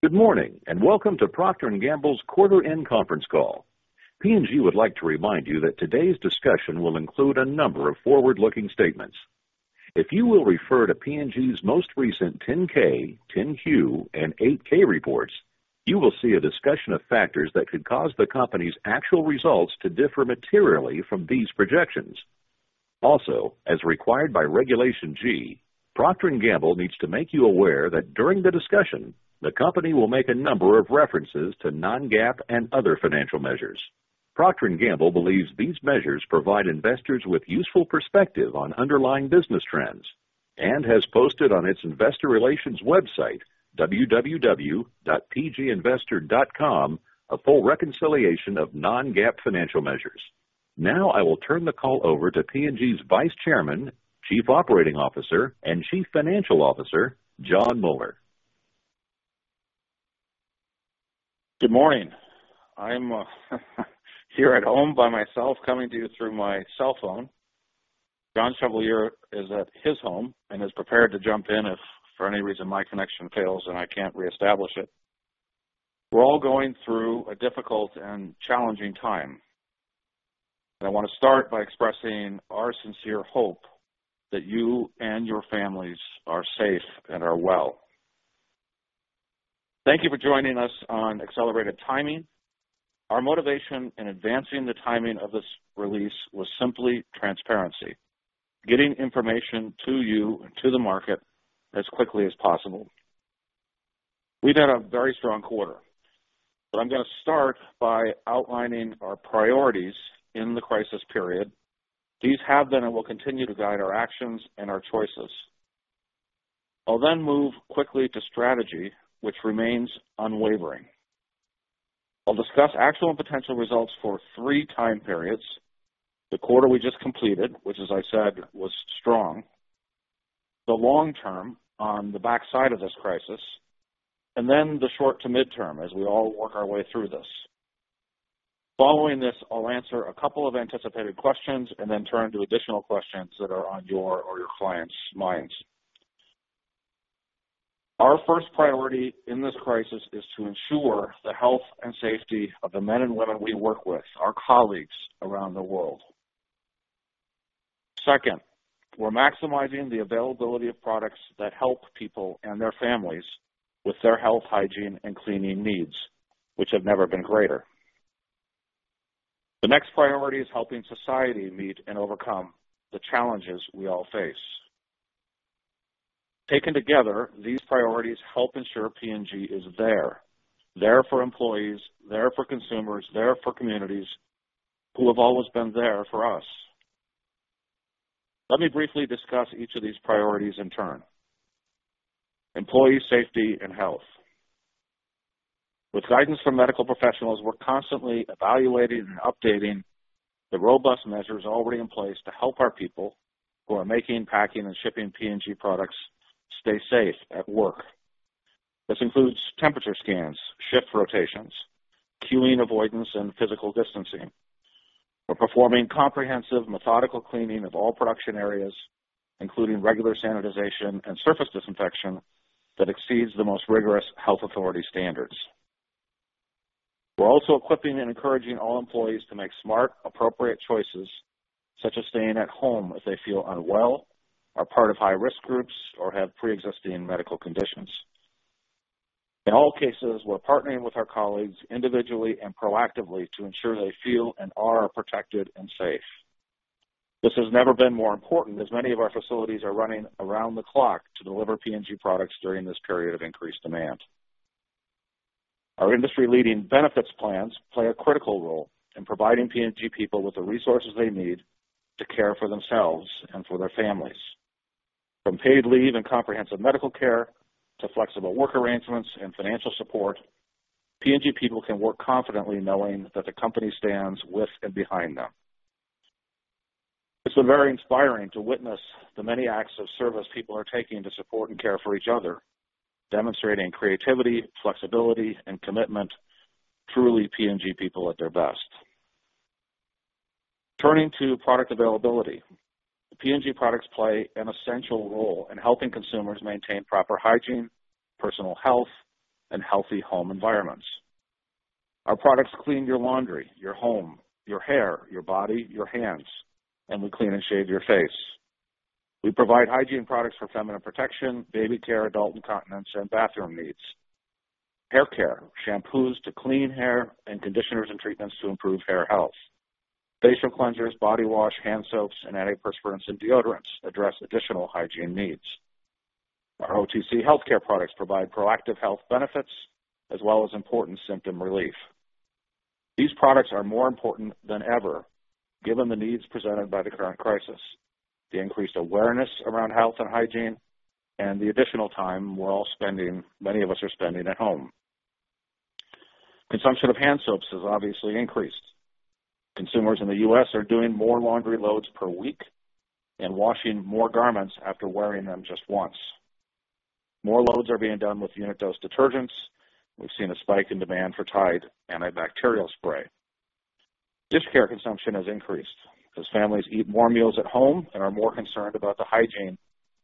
Good morning. Welcome to Procter & Gamble's Quarter End Conference Call. P&G would like to remind you that today's discussion will include a number of forward-looking statements. If you will refer to P&G's most recent 10-K, 10-Q, and 8-K reports, you will see a discussion of factors that could cause the company's actual results to differ materially from these projections. As required by Regulation G, Procter & Gamble needs to make you aware that during the discussion, the company will make a number of references to non-GAAP and other financial measures. Procter & Gamble believes these measures provide investors with useful perspective on underlying business trends and has posted on its investor relations website, www.pginvestor.com, a full reconciliation of non-GAAP financial measures. I will turn the call over to P&G's Vice Chairman, Chief Operating Officer, and Chief Financial Officer, Jon Moeller. Good morning. I'm here at home by myself, coming to you through my cell phone. John Chevalier is at his home and is prepared to jump in if for any reason my connection fails and I can't reestablish it. We're all going through a difficult and challenging time. I want to start by expressing our sincere hope that you and your families are safe and are well. Thank you for joining us on accelerated timing. Our motivation in advancing the timing of this release was simply transparency, getting information to you and to the market as quickly as possible. We've had a very strong quarter. I'm going to start by outlining our priorities in the crisis period. These have been and will continue to guide our actions and our choices. I'll move quickly to strategy, which remains unwavering. I'll discuss actual and potential results for three time periods, the quarter we just completed, which as I said, was strong, the long term on the backside of this crisis, then the short to midterm as we all work our way through this. Following this, I'll answer a couple of anticipated questions then turn to additional questions that are on your or your clients minds. Our first priority in this crisis is to ensure the health and safety of the men and women we work with, our colleagues around the world. Second, we're maximizing the availability of products that help people and their families with their health, hygiene, and cleaning needs, which have never been greater. The next priority is helping society meet and overcome the challenges we all face. Taken together, these priorities help ensure P&G is there for employees, there for consumers, there for communities who have always been there for us. Let me briefly discuss each of these priorities in turn. Employee safety and health. With guidance from medical professionals, we're constantly evaluating and updating the robust measures already in place to help our people who are making, packing, and shipping P&G products stay safe at work. This includes temperature scans, shift rotations, queuing avoidance, and physical distancing. We're performing comprehensive, methodical cleaning of all production areas, including regular sanitization and surface disinfection that exceeds the most rigorous health authority standards. We're also equipping and encouraging all employees to make smart, appropriate choices, such as staying at home if they feel unwell, are part of high-risk groups, or have pre-existing medical conditions. In all cases, we're partnering with our colleagues individually and proactively to ensure they feel and are protected and safe. This has never been more important, as many of our facilities are running around the clock to deliver P&G products during this period of increased demand. Our industry-leading benefits plans play a critical role in providing P&G people with the resources they need to care for themselves and for their families. From paid leave and comprehensive medical care to flexible work arrangements and financial support, P&G people can work confidently knowing that the company stands with and behind them. It's been very inspiring to witness the many acts of service people are taking to support and care for each other, demonstrating creativity, flexibility, and commitment, truly P&G people at their best. Turning to product availability. P&G products play an essential role in helping consumers maintain proper hygiene, personal health, and healthy home environments. Our products clean your laundry, your home, your hair, your body, your hands, and we clean and shave your face. We provide hygiene products for feminine protection, baby care, adult incontinence, and bathroom needs. Hair care, shampoos to clean hair, and conditioners and treatments to improve hair health. Facial cleansers, body wash, hand soaps, and antiperspirants and deodorants address additional hygiene needs. Our OTC healthcare products provide proactive health benefits as well as important symptom relief. These products are more important than ever, given the needs presented by the current crisis, the increased awareness around health and hygiene, and the additional time many of us are spending at home. Consumption of hand soaps has obviously increased. Consumers in the U.S. are doing more laundry loads per week and washing more garments after wearing them just once. More loads are being done with unit dose detergents. We've seen a spike in demand for Tide antibacterial spray. Dish care consumption has increased as families eat more meals at home and are more concerned about the hygiene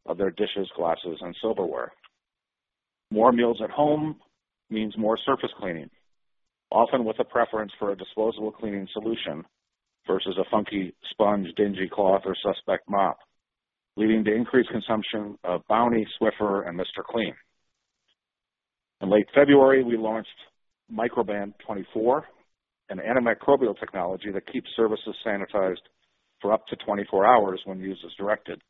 of their dishes, glasses, and silverware. More meals at home means more surface cleaning, often with a preference for a disposable cleaning solution versus a funky sponge, dingy cloth, or suspect mop, leading to increased consumption of Bounty, Swiffer, and Mr. Clean. In late February, we launched Microban 24, an antimicrobial technology that keeps surfaces sanitized for up to 24 hours when used as directed.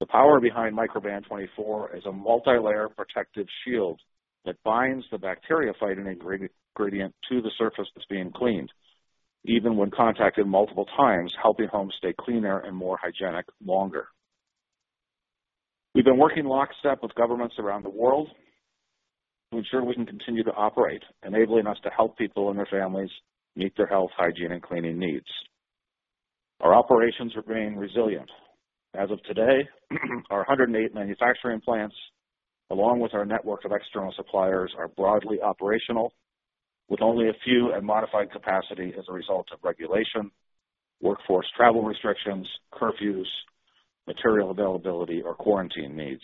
The power behind Microban 24 is a multilayer protective shield that binds the bacteria-fighting ingredient to the surface that's being cleaned, even when contacted multiple times, helping homes stay cleaner and more hygienic longer. We've been working lockstep with governments around the world to ensure we can continue to operate, enabling us to help people and their families meet their health, hygiene, and cleaning needs. Our operations are being resilient. As of today, our 108 manufacturing plants, along with our network of external suppliers, are broadly operational with only a few at modified capacity as a result of regulation, workforce travel restrictions, curfews, material availability, or quarantine needs.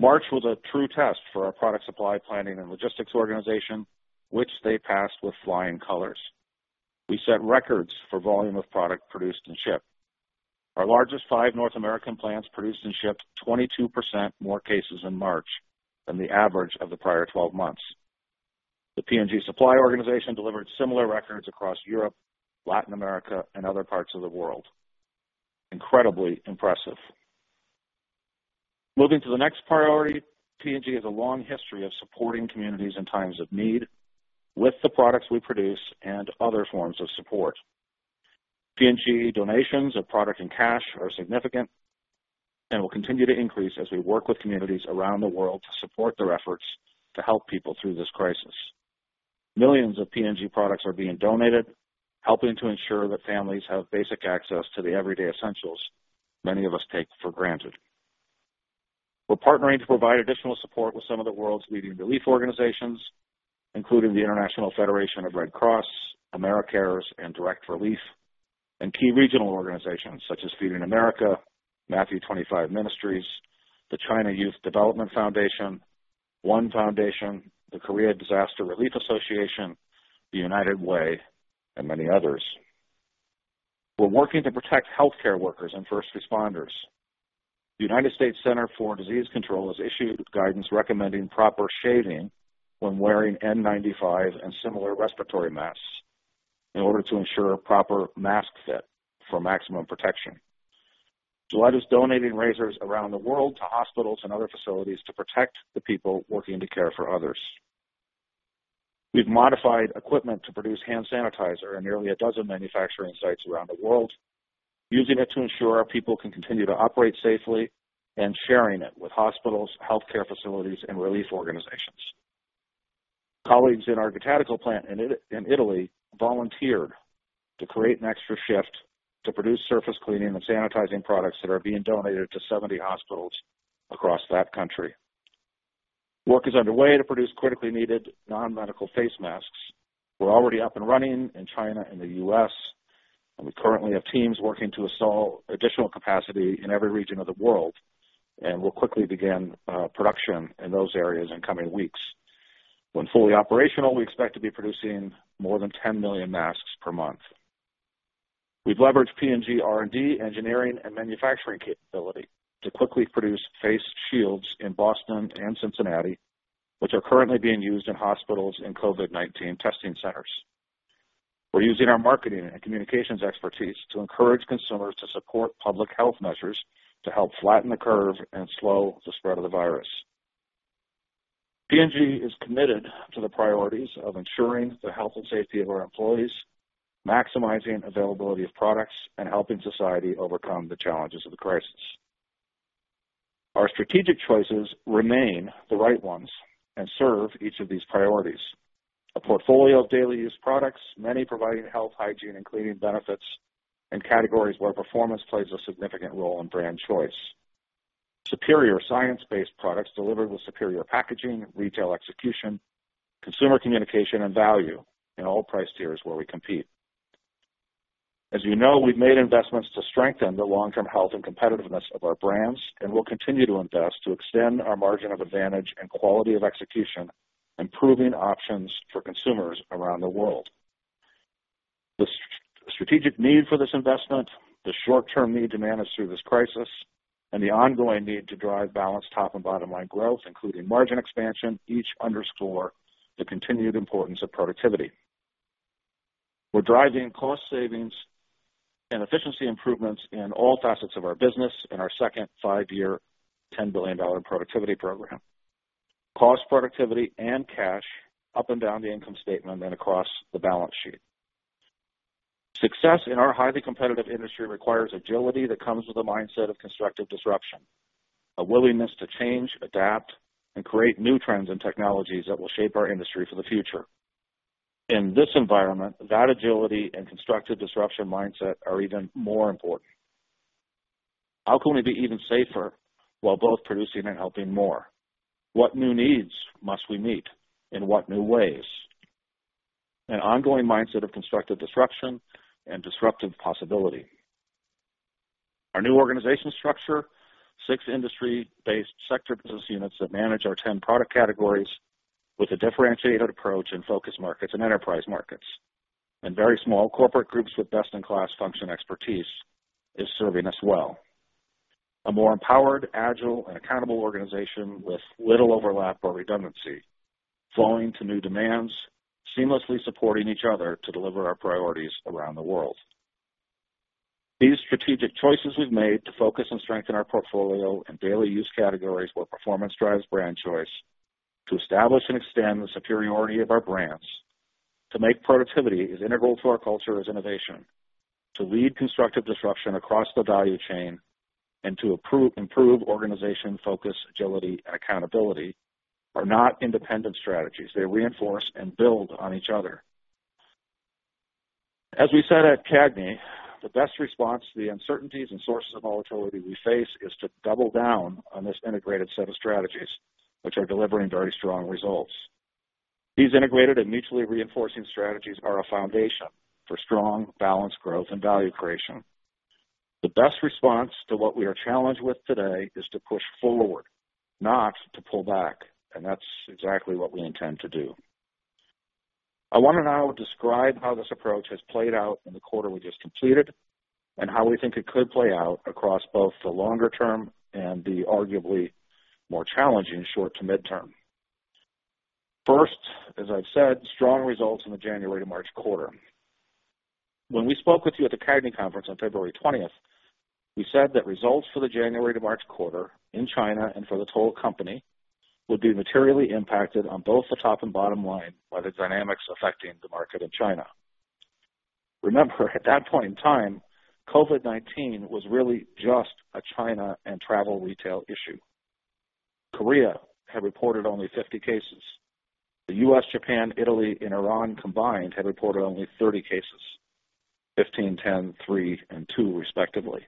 March was a true test for our product supply planning and logistics organization, which they passed with flying colors. We set records for volume of product produced and shipped. Our largest five North American plants produced and shipped 22% more cases in March than the average of the prior 12 months. The P&G supply organization delivered similar records across Europe, Latin America, and other parts of the world. Incredibly impressive. Moving to the next priority, P&G has a long history of supporting communities in times of need with the products we produce and other forms of support. P&G donations of product and cash are significant and will continue to increase as we work with communities around the world to support their efforts to help people through this crisis. Millions of P&G products are being donated, helping to ensure that families have basic access to the everyday essentials many of us take for granted. We're partnering to provide additional support with some of the world's leading relief organizations, including the International Federation of Red Cross, Americares, and Direct Relief, and key regional organizations such as Feeding America, Matthew 25: Ministries, the China Youth Development Foundation, One Foundation, the Korea Disaster Relief Association, the United Way, and many others. We're working to protect healthcare workers and first responders. The U.S. Center for Disease Control has issued guidance recommending proper shaving when wearing N95 and similar respiratory masks in order to ensure proper mask fit for maximum protection. Gillette is donating razors around the world to hospitals and other facilities to protect the people working to care for others. We've modified equipment to produce hand sanitizer in nearly a dozen manufacturing sites around the world, using it to ensure our people can continue to operate safely and sharing it with hospitals, healthcare facilities, and relief organizations. Colleagues in our Gattatico plant in Italy volunteered to create an extra shift to produce surface cleaning and sanitizing products that are being donated to 70 hospitals across that country. Work is underway to produce critically needed non-medical face masks. We're already up and running in China and the U.S., and we currently have teams working to install additional capacity in every region of the world, and we'll quickly begin production in those areas in coming weeks. When fully operational, we expect to be producing more than 10 million masks per month. We've leveraged P&G R&D, engineering, and manufacturing capability to quickly produce face shields in Boston and Cincinnati, which are currently being used in hospitals and COVID-19 testing centers. We're using our marketing and communications expertise to encourage consumers to support public health measures to help flatten the curve and slow the spread of the virus. P&G is committed to the priorities of ensuring the health and safety of our employees, maximizing availability of products, and helping society overcome the challenges of the crisis. Our strategic choices remain the right ones and serve each of these priorities. A portfolio of daily use products, many providing health, hygiene, and cleaning benefits in categories where performance plays a significant role in brand choice. Superior science-based products delivered with superior packaging, retail execution, consumer communication, and value in all price tiers where we compete. As you know, we've made investments to strengthen the long-term health and competitiveness of our brands, and we'll continue to invest to extend our margin of advantage and quality of execution, improving options for consumers around the world. The strategic need for this investment, the short-term need to manage through this crisis, and the ongoing need to drive balanced top and bottom-line growth, including margin expansion, each underscore the continued importance of productivity. We're driving cost savings and efficiency improvements in all facets of our business in our second five-year, $10 billion productivity program. Cost productivity and cash up and down the income statement and across the balance sheet. Success in our highly competitive industry requires agility that comes with a mindset of constructive disruption, a willingness to change, adapt, and create new trends and technologies that will shape our industry for the future. In this environment, that agility and constructive disruption mindset are even more important. How can we be even safer while both producing and helping more? What new needs must we meet, in what new ways? An ongoing mindset of constructive disruption and disruptive possibility. Our new organization structure, six industry-based sector business units that manage our 10 product categories with a differentiated approach in focus markets and enterprise markets, and very small corporate groups with best-in-class function expertise is serving us well. A more empowered, agile, and accountable organization with little overlap or redundancy, flowing to new demands, seamlessly supporting each other to deliver our priorities around the world. These strategic choices we've made to focus and strengthen our portfolio in daily use categories where performance drives brand choice, to establish and extend the superiority of our brands, to make productivity as integral to our culture as innovation, to lead constructive disruption across the value chain, and to improve organization focus, agility, and accountability, are not independent strategies. They reinforce and build on each other. As we said at CAGNY, the best response to the uncertainties and sources of volatility we face is to double down on this integrated set of strategies, which are delivering very strong results. These integrated and mutually reinforcing strategies are a foundation for strong, balanced growth and value creation. The best response to what we are challenged with today is to push forward, not to pull back, and that's exactly what we intend to do. I want to now describe how this approach has played out in the quarter we just completed, and how we think it could play out across both the longer term and the arguably more challenging short to midterm. First, as I've said, strong results in the January to March quarter. When we spoke with you at the CAGNY conference on February 20th, we said that results for the January to March quarter in China and for the total company would be materially impacted on both the top and bottom line by the dynamics affecting the market in China. Remember, at that point in time, COVID-19 was really just a China and travel retail issue. Korea had reported only 50 cases. The U.S., Japan, Italy, and Iran combined had reported only 30 cases, 15, 10, three, and two respectively.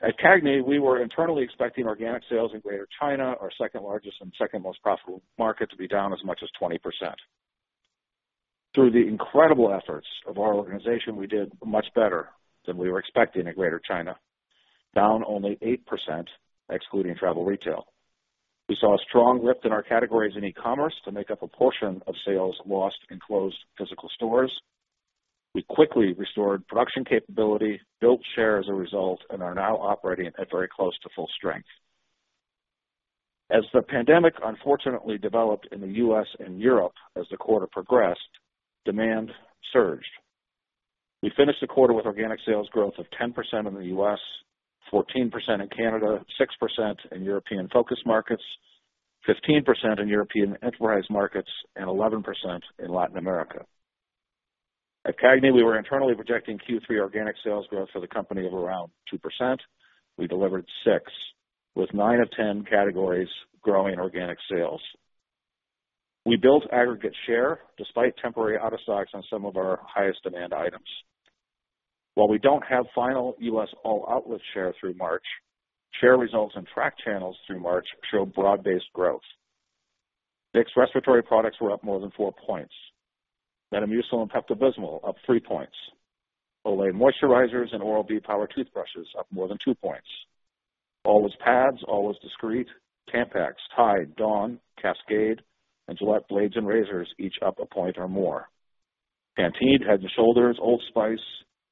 At CAGNY, we were internally expecting organic sales in Greater China, our second largest and second most profitable market, to be down as much as 20%. Through the incredible efforts of our organization, we did much better than we were expecting in Greater China, down only 8% excluding travel retail. We saw a strong lift in our categories in e-commerce to make up a portion of sales lost in closed physical stores. We quickly restored production capability, built share as a result, and are now operating at very close to full strength. As the pandemic unfortunately developed in the U.S. and Europe as the quarter progressed, demand surged. We finished the quarter with organic sales growth of 10% in the U.S., 14% in Canada, 6% in European focus markets, 15% in European enterprise markets, and 11% in Latin America. At CAGNY, we were internally projecting Q3 organic sales growth for the company of around 2%. We delivered 6%, with 9 of 10 categories growing organic sales. We built aggregate share despite temporary out of stocks on some of our highest demand items. While we don't have final U.S. all-outlet share through March, share results in tracked channels through March show broad-based growth. Vicks respiratory products were up more than 4 points. Metamucil and Pepto-Bismol up 3 points. Olay moisturizers and Oral-B power toothbrushes up more than 2 points. Always pads, Always Discreet, Tampax, Tide, Dawn, Cascade, and Gillette blades and razors each up a point or more. Pantene, Head & Shoulders, Old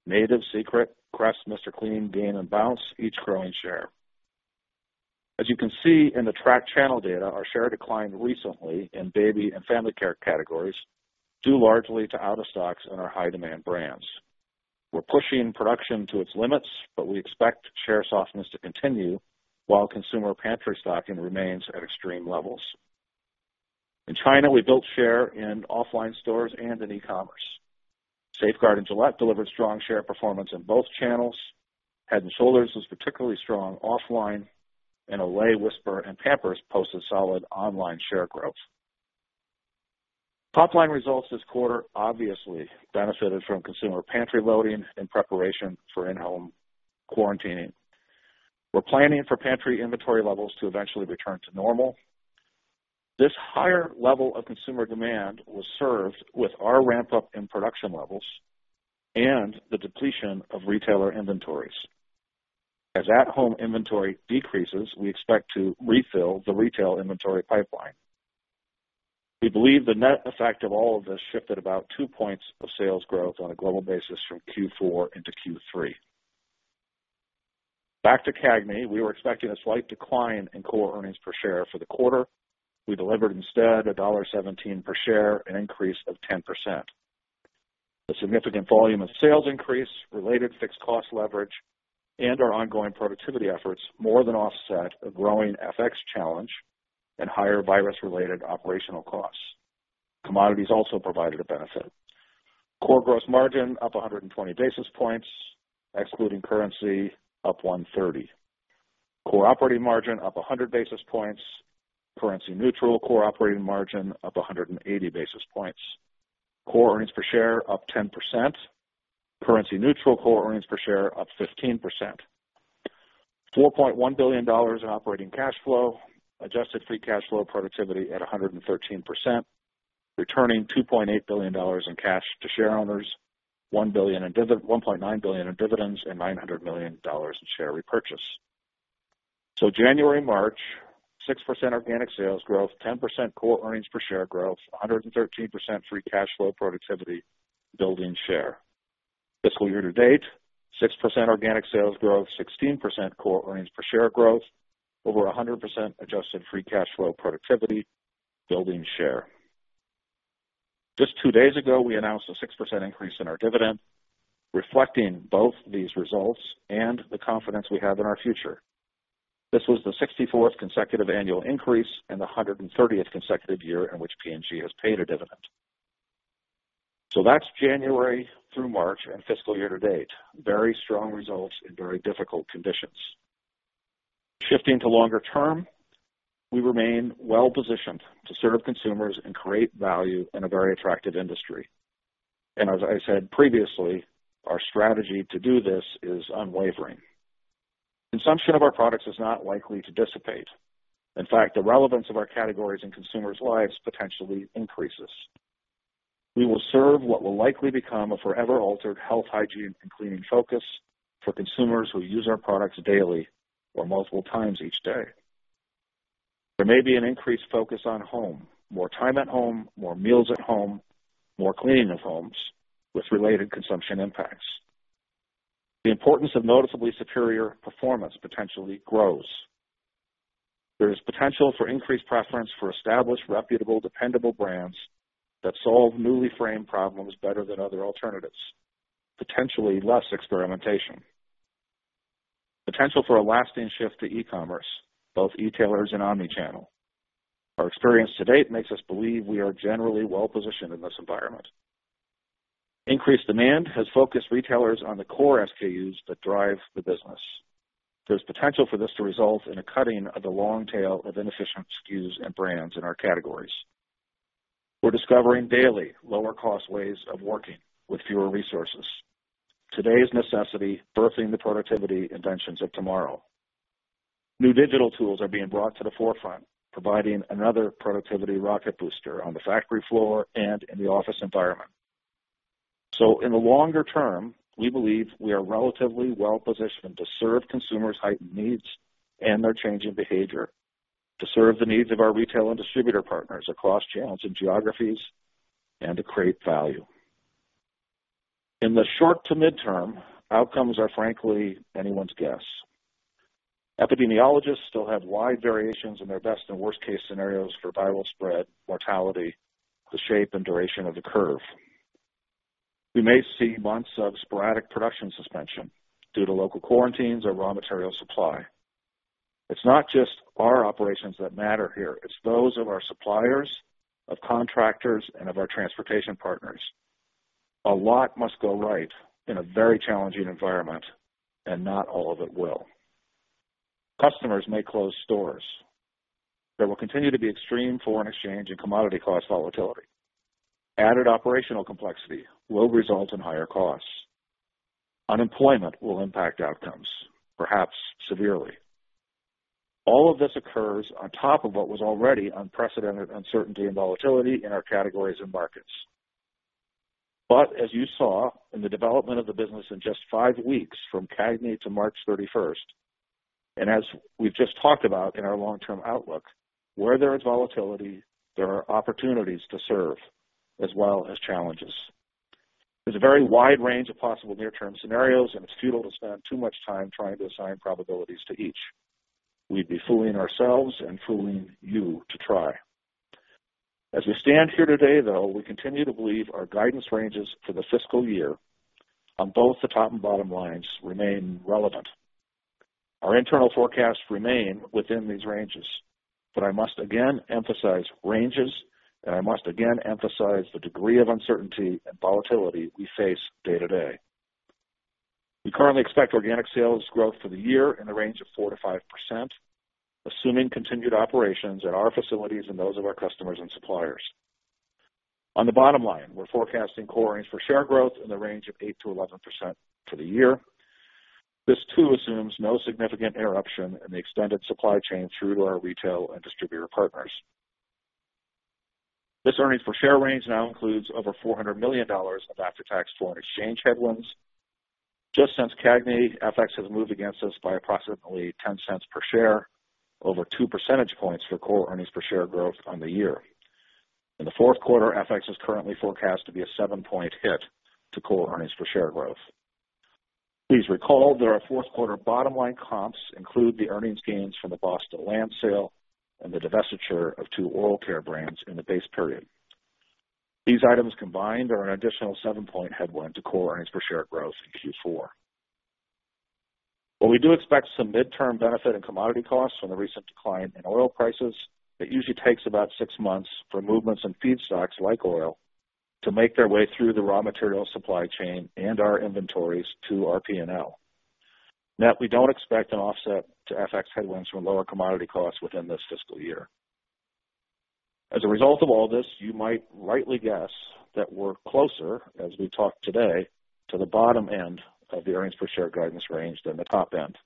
Spice, Native, Secret, Crest, Mr. Clean, Gain, and Bounce each growing share. As you can see in the tracked channel data, our share declined recently in baby and family care categories, due largely to out of stocks in our high-demand brands. We're pushing production to its limits, but we expect share softness to continue while consumer pantry stocking remains at extreme levels. In China, we built share in offline stores and in e-commerce. Safeguard and Gillette delivered strong share performance in both channels. Head & Shoulders was particularly strong offline. Olay, Whisper, and Pampers posted solid online share growth. Top-line results this quarter obviously benefited from consumer pantry loading in preparation for in-home quarantining. We're planning for pantry inventory levels to eventually return to normal. This higher level of consumer demand was served with our ramp-up in production levels and the depletion of retailer inventories. As at-home inventory decreases, we expect to refill the retail inventory pipeline. We believe the net effect of all of this shifted about two points of sales growth on a global basis from Q4 into Q3. Back to CAGNY. We were expecting a slight decline in core earnings per share for the quarter. We delivered instead $1.17 per share, an increase of 10%. The significant volume of sales increase, related fixed cost leverage, and our ongoing productivity efforts more than offset a growing FX challenge and higher virus-related operational costs. Commodities also provided a benefit. Core gross margin up 120 basis points, excluding currency up 130 basis points. Core operating margin up 100 basis points. Currency neutral core operating margin up 180 basis points. Core earnings per share up 10%. Currency neutral core earnings per share up 15%. $4.1 billion in operating cash flow. Adjusted free cash flow productivity at 113%. Returning $2.8 billion in cash to shareowners, $1.9 billion in dividends, and $900 million in share repurchase. January to March, 6% organic sales growth, 10% core earnings per share growth, 113% free cash flow productivity, building share. Fiscal year to date, 6% organic sales growth, 16% core earnings per share growth, over 100% adjusted free cash flow productivity, building share. Just two days ago, we announced a 6% increase in our dividend, reflecting both these results and the confidence we have in our future. This was the 64th consecutive annual increase and the 130th consecutive year in which P&G has paid a dividend. That's January through March and fiscal year to date. Very strong results in very difficult conditions. Shifting to longer term, we remain well-positioned to serve consumers and create value in a very attractive industry. As I said previously, our strategy to do this is unwavering. Consumption of our products is not likely to dissipate. In fact, the relevance of our categories in consumers lives potentially increases. We will serve what will likely become a forever altered health, hygiene, and cleaning focus for consumers who use our products daily or multiple times each day. There may be an increased focus on home, more time at home, more meals at home, more cleaning of homes with related consumption impacts. The importance of noticeably superior performance potentially grows. There is potential for increased preference for established, reputable, dependable brands that solve newly framed problems better than other alternatives. Potentially less experimentation. Potential for a lasting shift to e-commerce, both e-tailers and omni-channel. Our experience to date makes us believe we are generally well-positioned in this environment. Increased demand has focused retailers on the core SKUs that drive the business. There's potential for this to result in a cutting of the long tail of inefficient SKUs and brands in our categories. We're discovering daily lower-cost ways of working with fewer resources. Today's necessity birthing the productivity inventions of tomorrow. New digital tools are being brought to the forefront, providing another productivity rocket booster on the factory floor and in the office environment. In the longer term, we believe we are relatively well-positioned to serve consumers' heightened needs and their change in behavior, to serve the needs of our retail and distributor partners across channels and geographies, and to create value. In the short to midterm, outcomes are frankly anyone's guess. Epidemiologists still have wide variations in their best and worst-case scenarios for viral spread, mortality, the shape and duration of the curve. We may see months of sporadic production suspension due to local quarantines or raw material supply. It's not just our operations that matter here, it's those of our suppliers, of contractors, and of our transportation partners. A lot must go right in a very challenging environment, and not all of it will. Customers may close stores. There will continue to be extreme foreign exchange and commodity cost volatility. Added operational complexity will result in higher costs. Unemployment will impact outcomes, perhaps severely. All of this occurs on top of what was already unprecedented uncertainty and volatility in our categories and markets. As you saw in the development of the business in just five weeks from CAGNY to March 31st, and as we've just talked about in our long-term outlook, where there is volatility, there are opportunities to serve as well as challenges. There's a very wide range of possible near-term scenarios, and it's futile to spend too much time trying to assign probabilities to each. We'd be fooling ourselves and fooling you to try. As we stand here today, though, we continue to believe our guidance ranges for the fiscal year on both the top and bottom lines remain relevant. Our internal forecasts remain within these ranges, but I must again emphasize ranges, and I must again emphasize the degree of uncertainty and volatility we face day to day. We currently expect organic sales growth for the year in the range of 4%-5%, assuming continued operations at our facilities and those of our customers and suppliers. On the bottom line, we're forecasting core earnings per share growth in the range of 8%-11% for the year. This too assumes no significant interruption in the extended supply chain through to our retail and distributor partners. This earnings per share range now includes over $400 million of after-tax foreign exchange headwinds. Just since CAGNY, FX has moved against us by approximately $0.10 per share, over two percentage points for core earnings per share growth on the year. In the fourth quarter, FX is currently forecast to be a 7-point hit to core earnings per share growth. Please recall that our fourth quarter bottom line comps include the earnings gains from the Boston Land sale and the divestiture of two oral care brands in the base period. These items combined are an additional 7-point headwind to core earnings per share growth in Q4. While we do expect some midterm benefit in commodity costs from the recent decline in oil prices, it usually takes about six months for movements in feedstocks like oil to make their way through the raw material supply chain and our inventories to our P&L. Net, we don't expect an offset to FX headwinds from lower commodity costs within this fiscal year. As a result of all this, you might rightly guess that we're closer, as we talk today, to the bottom end of the earnings per share guidance range than the top end.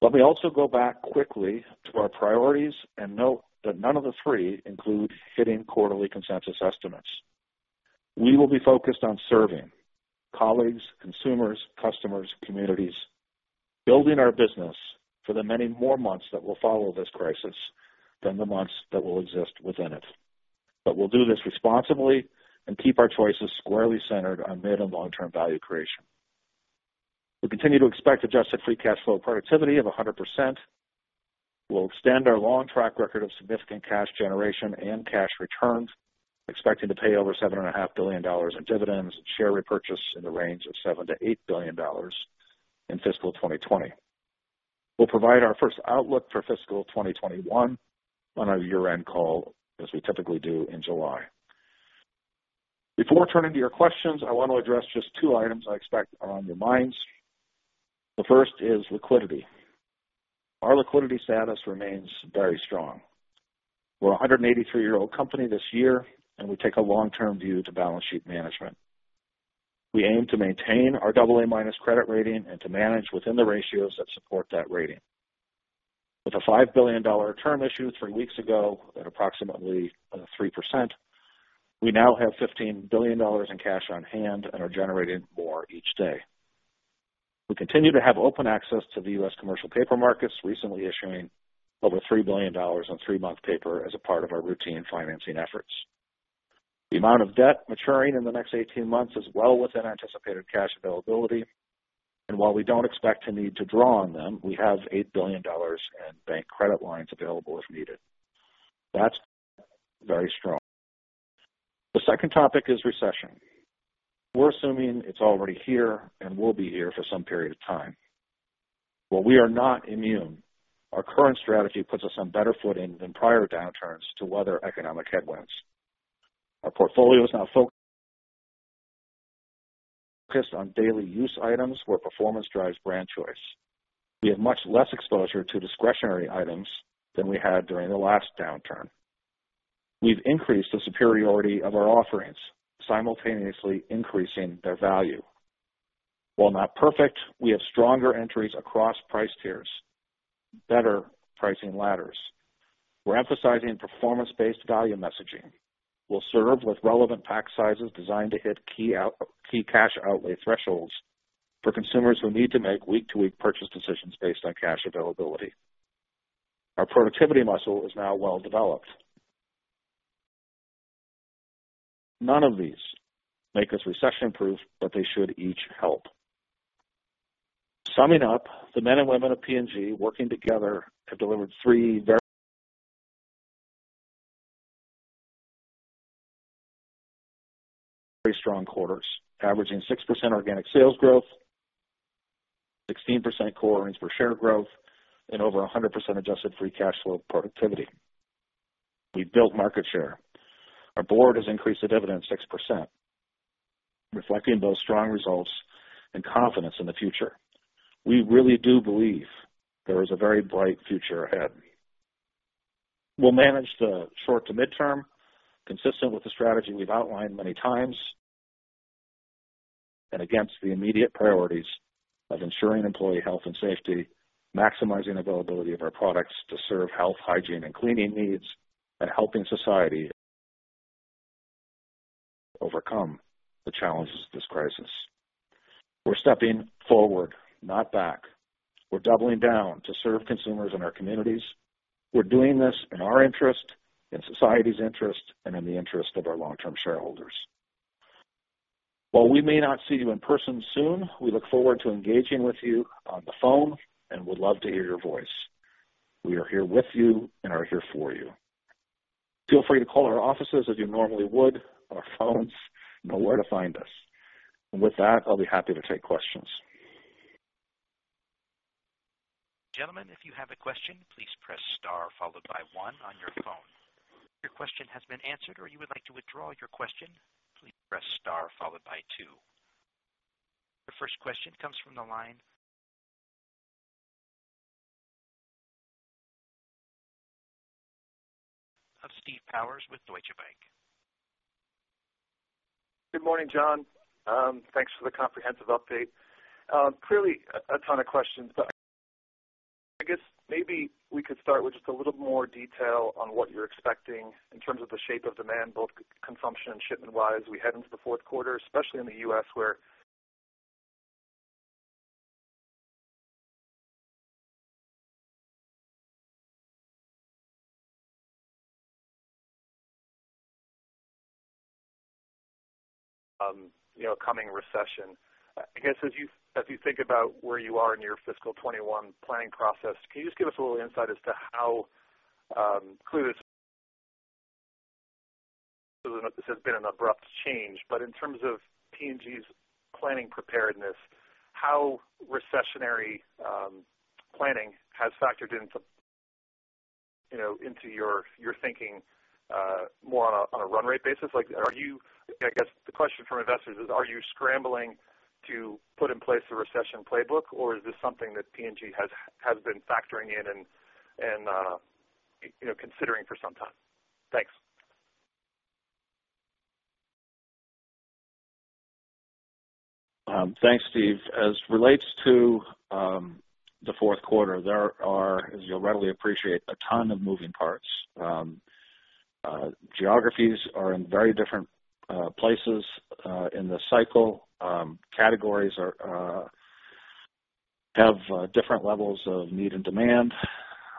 Let me also go back quickly to our priorities and note that none of the three include hitting quarterly consensus estimates. We will be focused on serving colleagues, consumers, customers, communities, building our business for the many more months that will follow this crisis than the months that will exist within it. We'll do this responsibly and keep our choices squarely centered on mid and long-term value creation. We continue to expect adjusted free cash flow productivity of 100%. We'll extend our long track record of significant cash generation and cash returns, expecting to pay over $7.5 billion in dividends and share repurchase in the range of $7 billion-$8 billion in fiscal 2020. We'll provide our first outlook for fiscal 2021 on our year-end call, as we typically do in July. Before turning to your questions, I want to address just two items I expect are on your minds. The first is liquidity. Our liquidity status remains very strong. We're a 183-year-old company this year, and we take a long-term view to balance sheet management. We aim to maintain our AA- credit rating and to manage within the ratios that support that rating. With a $5 billion term issue three weeks ago at approximately 3%, we now have $15 billion in cash on hand and are generating more each day. We continue to have open access to the U.S. commercial paper markets, recently issuing over $3 billion on three-month paper as a part of our routine financing efforts. The amount of debt maturing in the next 18 months is well within anticipated cash availability, and while we don't expect to need to draw on them, we have $8 billion in bank credit lines available if needed. That's very strong. The second topic is recession. We're assuming it's already here and will be here for some period of time. While we are not immune, our current strategy puts us on better footing than prior downturns to weather economic headwinds. Our portfolio is now focused on daily use items where performance drives brand choice. We have much less exposure to discretionary items than we had during the last downturn. We've increased the superiority of our offerings, simultaneously increasing their value. While not perfect, we have stronger entries across price tiers, better pricing ladders. We're emphasizing performance-based value messaging. We'll serve with relevant pack sizes designed to hit key cash outlay thresholds for consumers who need to make week-to-week purchase decisions based on cash availability. Our productivity muscle is now well developed. None of these make us recession-proof, but they should each help. Summing up, the men and women of P&G working together have delivered three very strong quarters, averaging 6% organic sales growth, 16% core earnings per share growth, and over 100% adjusted free cash flow productivity. We've built market share. Our board has increased the dividend 6%, reflecting both strong results and confidence in the future. We really do believe there is a very bright future ahead. We'll manage the short to mid-term, consistent with the strategy we've outlined many times, and against the immediate priorities of ensuring employee health and safety, maximizing availability of our products to serve health, hygiene, and cleaning needs, and helping society overcome the challenges of this crisis. We're stepping forward, not back. We're doubling down to serve consumers in our communities. We're doing this in our interest, in society's interest, and in the interest of our long-term shareholders. While we may not see you in person soon, we look forward to engaging with you on the phone and would love to hear your voice. We are here with you and are here for you. Feel free to call our offices as you normally would. Our phones know where to find us. With that, I'll be happy to take questions. Gentlemen, if you have a question, please press star followed by one on your phone. If your question has been answered or you would like to withdraw your question, please press star followed by two. Your first question comes from the line of Steve Powers with Deutsche Bank. Good morning, John. Thanks for the comprehensive update. Clearly a ton of questions. I guess maybe we could start with just a little more detail on what you're expecting in terms of the shape of demand, both consumption and shipment-wise, as we head into the fourth quarter, especially in the U.S., where, coming recession. I guess as you think about where you are in your fiscal 2021 planning process, can you just give us a little insight as to how, clearly this has been an abrupt change, but in terms of P&G's planning preparedness, how recessionary planning has factored into your thinking more on a run rate basis. I guess the question from investors is, are you scrambling to put in place the recession playbook, or is this something that P&G has been factoring in and considering for some time? Thanks. Thanks, Steve. As relates to the fourth quarter, there are, as you'll readily appreciate, a ton of moving parts. Geographies are in very different places in the cycle. Categories have different levels of need and demand.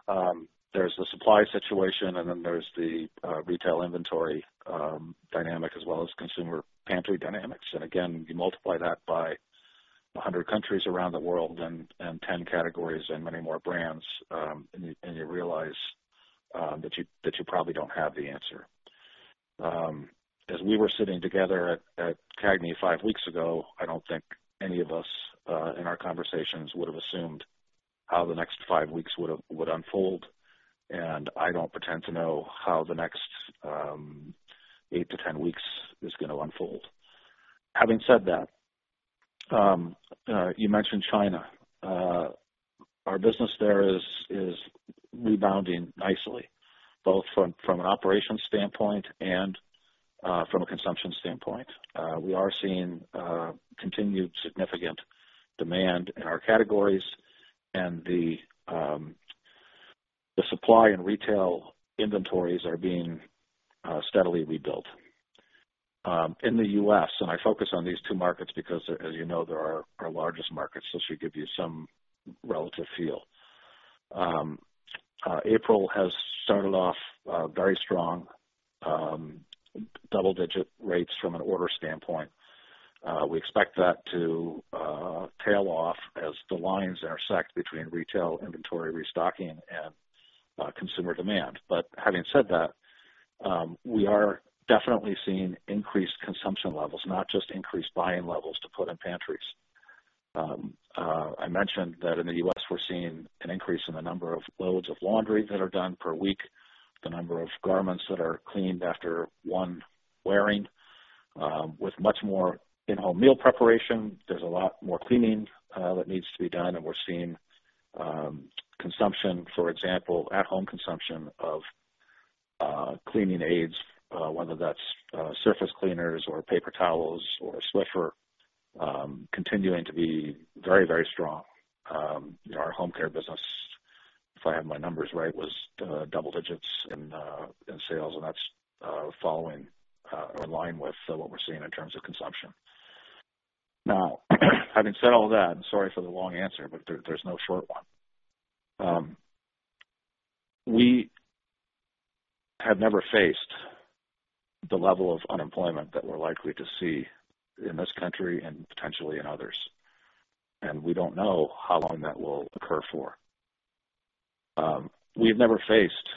There's the supply situation, and then there's the retail inventory dynamic as well as consumer pantry dynamics. Again, you multiply that by 100 countries around the world and 10 categories and many more brands, and you realize that you probably don't have the answer. As we were sitting together at CAGNY five weeks ago, I don't think any of us in our conversations would have assumed how the next five weeks would unfold, and I don't pretend to know how the next 8-10 weeks is going to unfold. Having said that, you mentioned China. Our business there is rebounding nicely, both from an operations standpoint and from a consumption standpoint. We are seeing continued significant demand in our categories, and the supply and retail inventories are being steadily rebuilt. In the U.S., and I focus on these two markets because, as you know, they're our largest markets, so it should give you some relative feel. April has started off very strong. Double-digit rates from an order standpoint. We expect that to tail off as the lines intersect between retail inventory restocking and consumer demand. Having said that, we are definitely seeing increased consumption levels, not just increased buying levels to put in pantries. I mentioned that in the U.S., we're seeing an increase in the number of loads of laundry that are done per week, the number of garments that are cleaned after one wearing. With much more in-home meal preparation, there's a lot more cleaning that needs to be done, and we're seeing consumption, for example, at-home consumption of cleaning aids, whether that's surface cleaners or paper towels or Swiffer continuing to be very strong. Our home care business, if I have my numbers right, was double digits in sales, and that's following in line with what we're seeing in terms of consumption. Now, having said all that, and sorry for the long answer, but there's no short one. We have never faced the level of unemployment that we're likely to see in this country and potentially in others, and we don't know how long that will occur for. We have never faced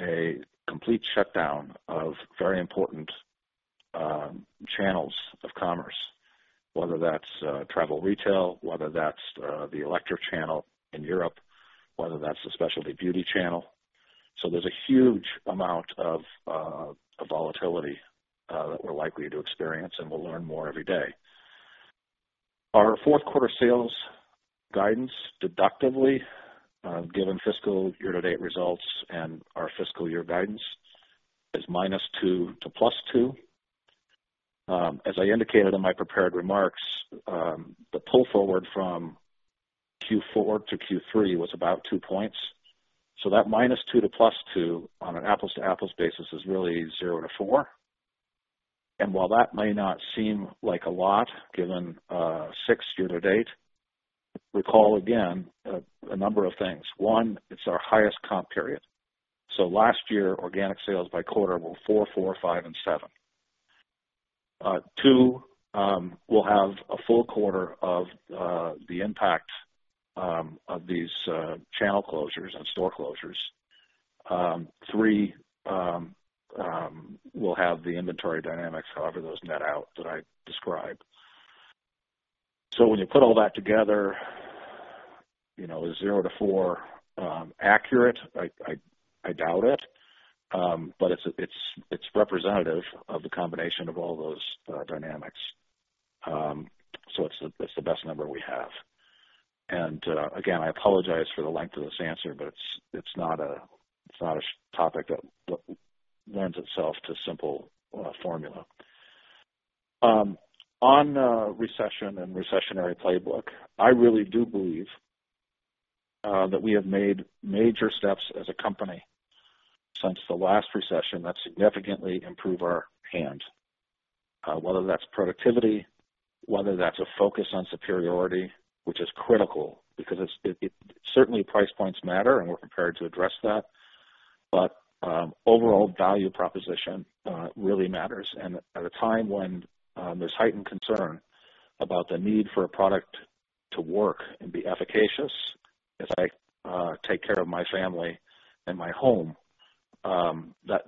a complete shutdown of very important channels of commerce, whether that's travel retail, whether that's the electrical channel in Europe, whether that's the specialty beauty channel. There's a huge amount of volatility that we're likely to experience, and we'll learn more every day. Our fourth quarter sales guidance deductively, given fiscal year-to-date results and our fiscal year guidance, is -2% to +2%. As I indicated in my prepared remarks, the pull forward from Q4 to Q3 was about 2 points. That -2% to +2% on an apples-to-apples basis is really 0%-4%. While that may not seem like a lot, given 6% year-to-date, recall again a number of things. One, it's our highest comp period. Last year, organic sales by quarter were 4%, 4%, 5%, and 7%. Two, we'll have a full quarter of the impact of these channel closures and store closures. Three, we'll have the inventory dynamics cover those net out that I described. When you put all that together, is 0%-4% accurate? I doubt it. It's representative of the combination of all those dynamics, so it's the best number we have. Again, I apologize for the length of this answer, but it's not a topic that lends itself to simple formula. On recession and recessionary playbook, I really do believe that we have made major steps as a company since the last recession that significantly improve our hand, whether that's productivity, whether that's a focus on superiority. Which is critical, because certainly price points matter, and we're prepared to address that. Overall value proposition really matters. At a time when there's heightened concern about the need for a product to work and be efficacious as I take care of my family and my home the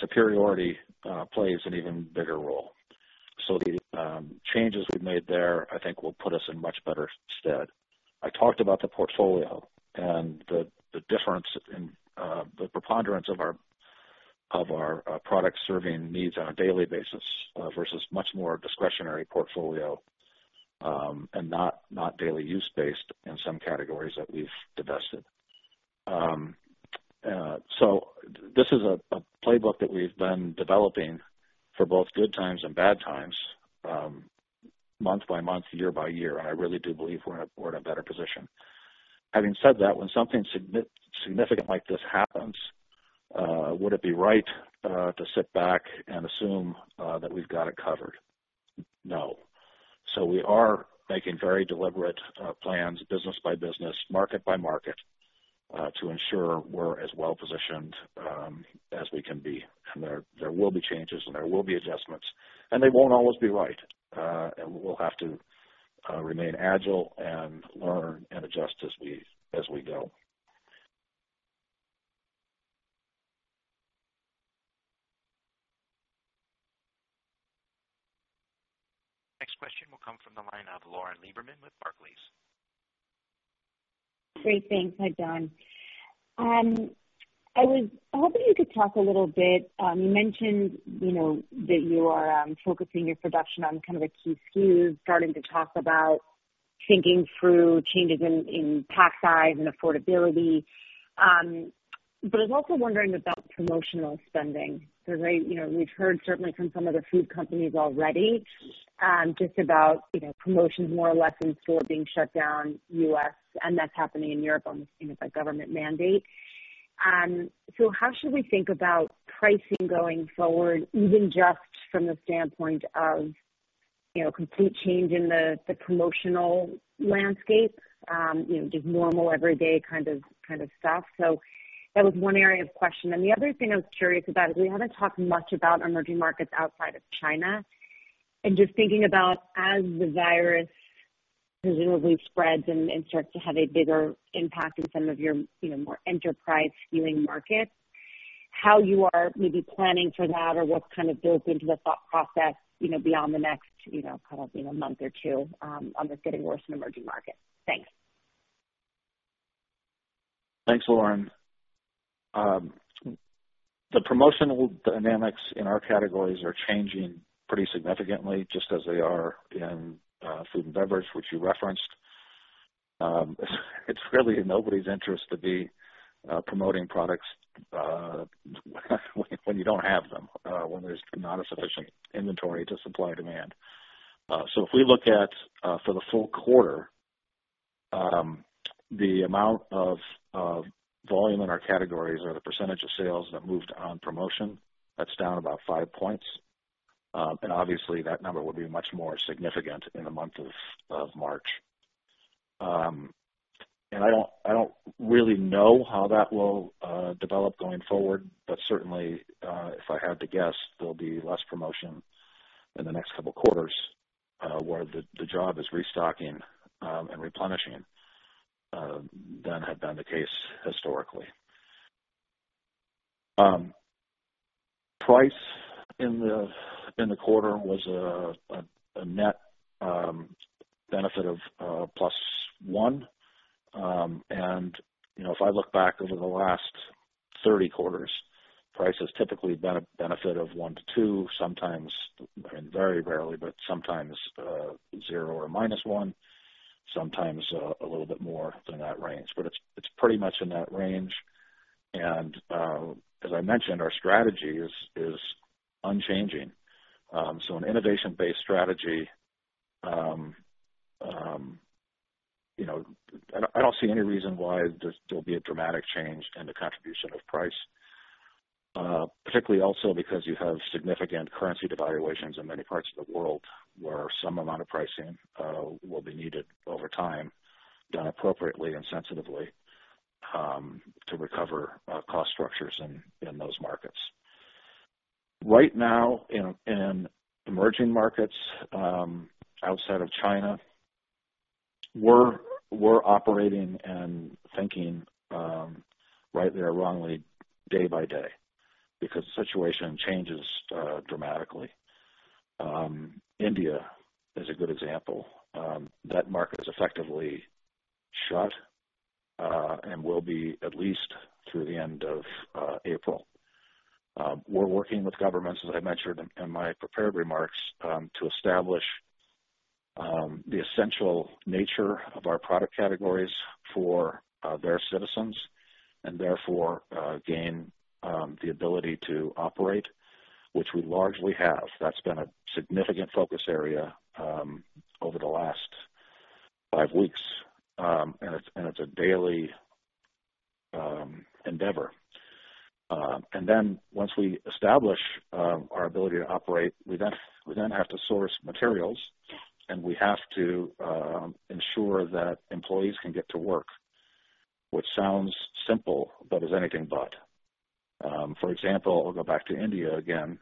superiority plays an even bigger role. The changes we've made there, I think will put us in much better stead. I talked about the portfolio and the difference in the preponderance of our product serving needs on a daily basis versus much more discretionary portfolio, and not daily use-based in some categories that we've divested. This is a playbook that we've been developing for both good times and bad times, month by month, year-by-year, and I really do believe we're in a better position. Having said that, when something significant like this happens, would it be right to sit back and assume that we've got it covered? No. We are making very deliberate plans, business by business, market by market, to ensure we're as well-positioned as we can be. There will be changes, and there will be adjustments, and they won't always be right. We'll have to remain agile and learn and adjust as we go. Next question will come from the line of Lauren Lieberman with Barclays. Great. Thanks, Jon. I was hoping you could talk a little bit, you mentioned that you are focusing your production on kind of the key SKUs, starting to talk about thinking through changes in pack size and affordability. I was also wondering about promotional spending, because we've heard certainly from some of the food companies already, just about promotions more or less in store being shut down U.S., and that's happening in Europe, obviously, with a government mandate. How should we think about pricing going forward, even just from the standpoint of complete change in the promotional landscape? Just normal everyday kind of stuff. The other thing I was curious about is we haven't talked much about emerging markets outside of China. Just thinking about as the virus presumably spreads and starts to have a bigger impact in some of your more enterprise-skews markets, how you are maybe planning for that or what kind of builds into the thought process beyond the next kind of month or two on this getting worse in emerging markets. Thanks. Thanks, Lauren. The promotional dynamics in our categories are changing pretty significantly, just as they are in food and beverage, which you referenced. It's really in nobody's interest to be promoting products when you don't have them, when there's not a sufficient inventory to supply demand. If we look at for the full quarter, the amount of volume in our categories or the percentage of sales that moved on promotion, that's down about five points. Obviously, that number will be much more significant in the month of March. I don't really know how that will develop going forward. Certainly, if I had to guess, there'll be less promotion in the next couple of quarters, where the job is restocking and replenishing than had been the case historically. Price in the quarter was a netbenefit of +1%. If I look back over the last 30 quarters, price has typically been a benefit of 1%-2%, sometimes, and very rarely, but sometimes, 0% or -1%. Sometimes a little bit more than that range, but it's pretty much in that range. As I mentioned, our strategy is unchanging. An innovation-based strategy, I don't see any reason why there'll be a dramatic change in the contribution of price. Particularly also because you have significant currency devaluations in many parts of the world where some amount of pricing will be needed over time, done appropriately and sensitively, to recover cost structures in those markets. Right now, in emerging markets outside of China, we're operating and thinking rightly or wrongly day by day because the situation changes dramatically. India is a good example. That market is effectively shut and will be at least through the end of April. We're working with governments, as I mentioned in my prepared remarks, to establish the essential nature of our product categories for their citizens, and therefore gain the ability to operate, which we largely have. That's been a significant focus area over the last five weeks, and it's a daily endeavor. Once we establish our ability to operate, we then have to source materials, and we have to ensure that employees can get to work, which sounds simple, but is anything but. For example, I'll go back to India again.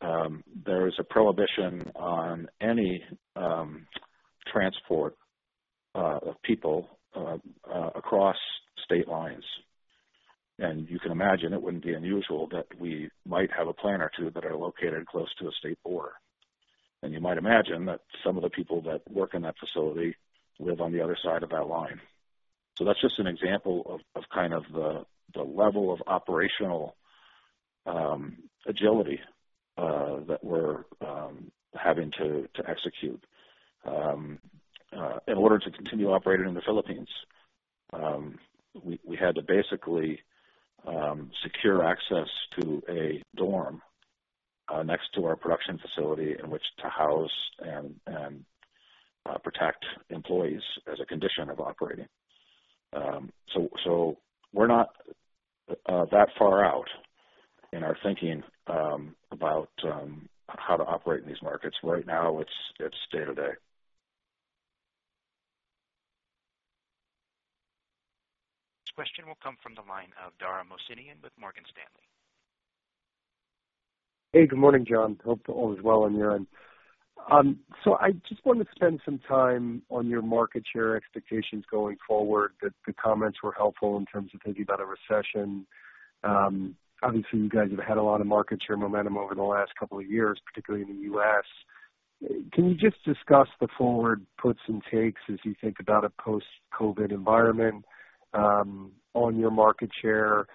There is a prohibition on any transport of people across state lines. You can imagine it wouldn't be unusual that we might have a plant or two that are located close to a state border. You might imagine that some of the people that work in that facility live on the other side of that line. That's just an example of the level of operational agility that we're having to execute. In order to continue operating in the Philippines, we had to basically secure access to a dorm next to our production facility in which to house and protect employees as a condition of operating. We're not that far out in our thinking about how to operate in these markets. Right now, it's day-to-day. Next question will come from the line of Dara Mohsenian with Morgan Stanley. Hey, good morning, Jon. Hope all is well on your end. I just wanted to spend some time on your market share expectations going forward. The comments were helpful in terms of thinking about a recession. Obviously, you guys have had a lot of market share momentum over the last couple of years, particularly in the U.S. Can you just discuss the forward puts and takes as you think about a post-COVID environment on your market share?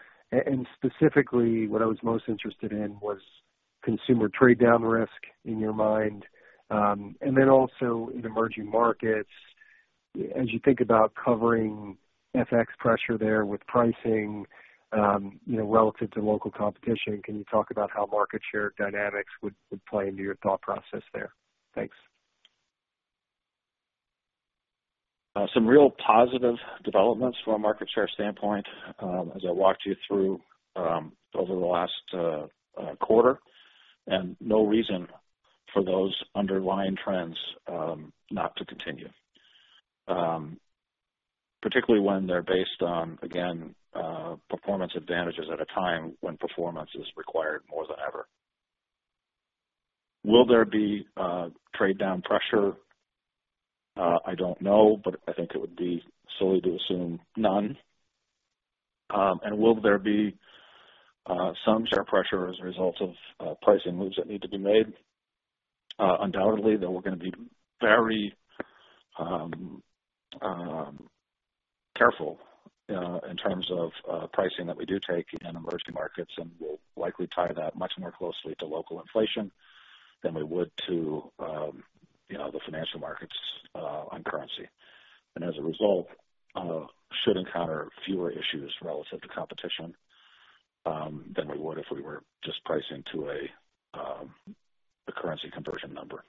Specifically, what I was most interested in was consumer trade-down risk in your mind. Also in emerging markets, as you think about covering FX pressure there with pricing relative to local competition, can you talk about how market share dynamics would play into your thought process there? Thanks. Some real positive developments from a market share standpoint as I walked you through over the last quarter, and no reason for those underlying trends not to continue. Particularly when they're based on, again, performance advantages at a time when performance is required more than ever. Will there be trade-down pressure? I don't know, but I think it would be silly to assume none. Will there be some share pressure as a result of pricing moves that need to be made? Undoubtedly, though we're going to be very careful in terms of pricing that we do take in emerging markets, and we'll likely tie that much more closely to local inflation than we would to the financial markets on currency. As a result, should encounter fewer issues relative to competition than we would if we were just pricing to a currency conversion number.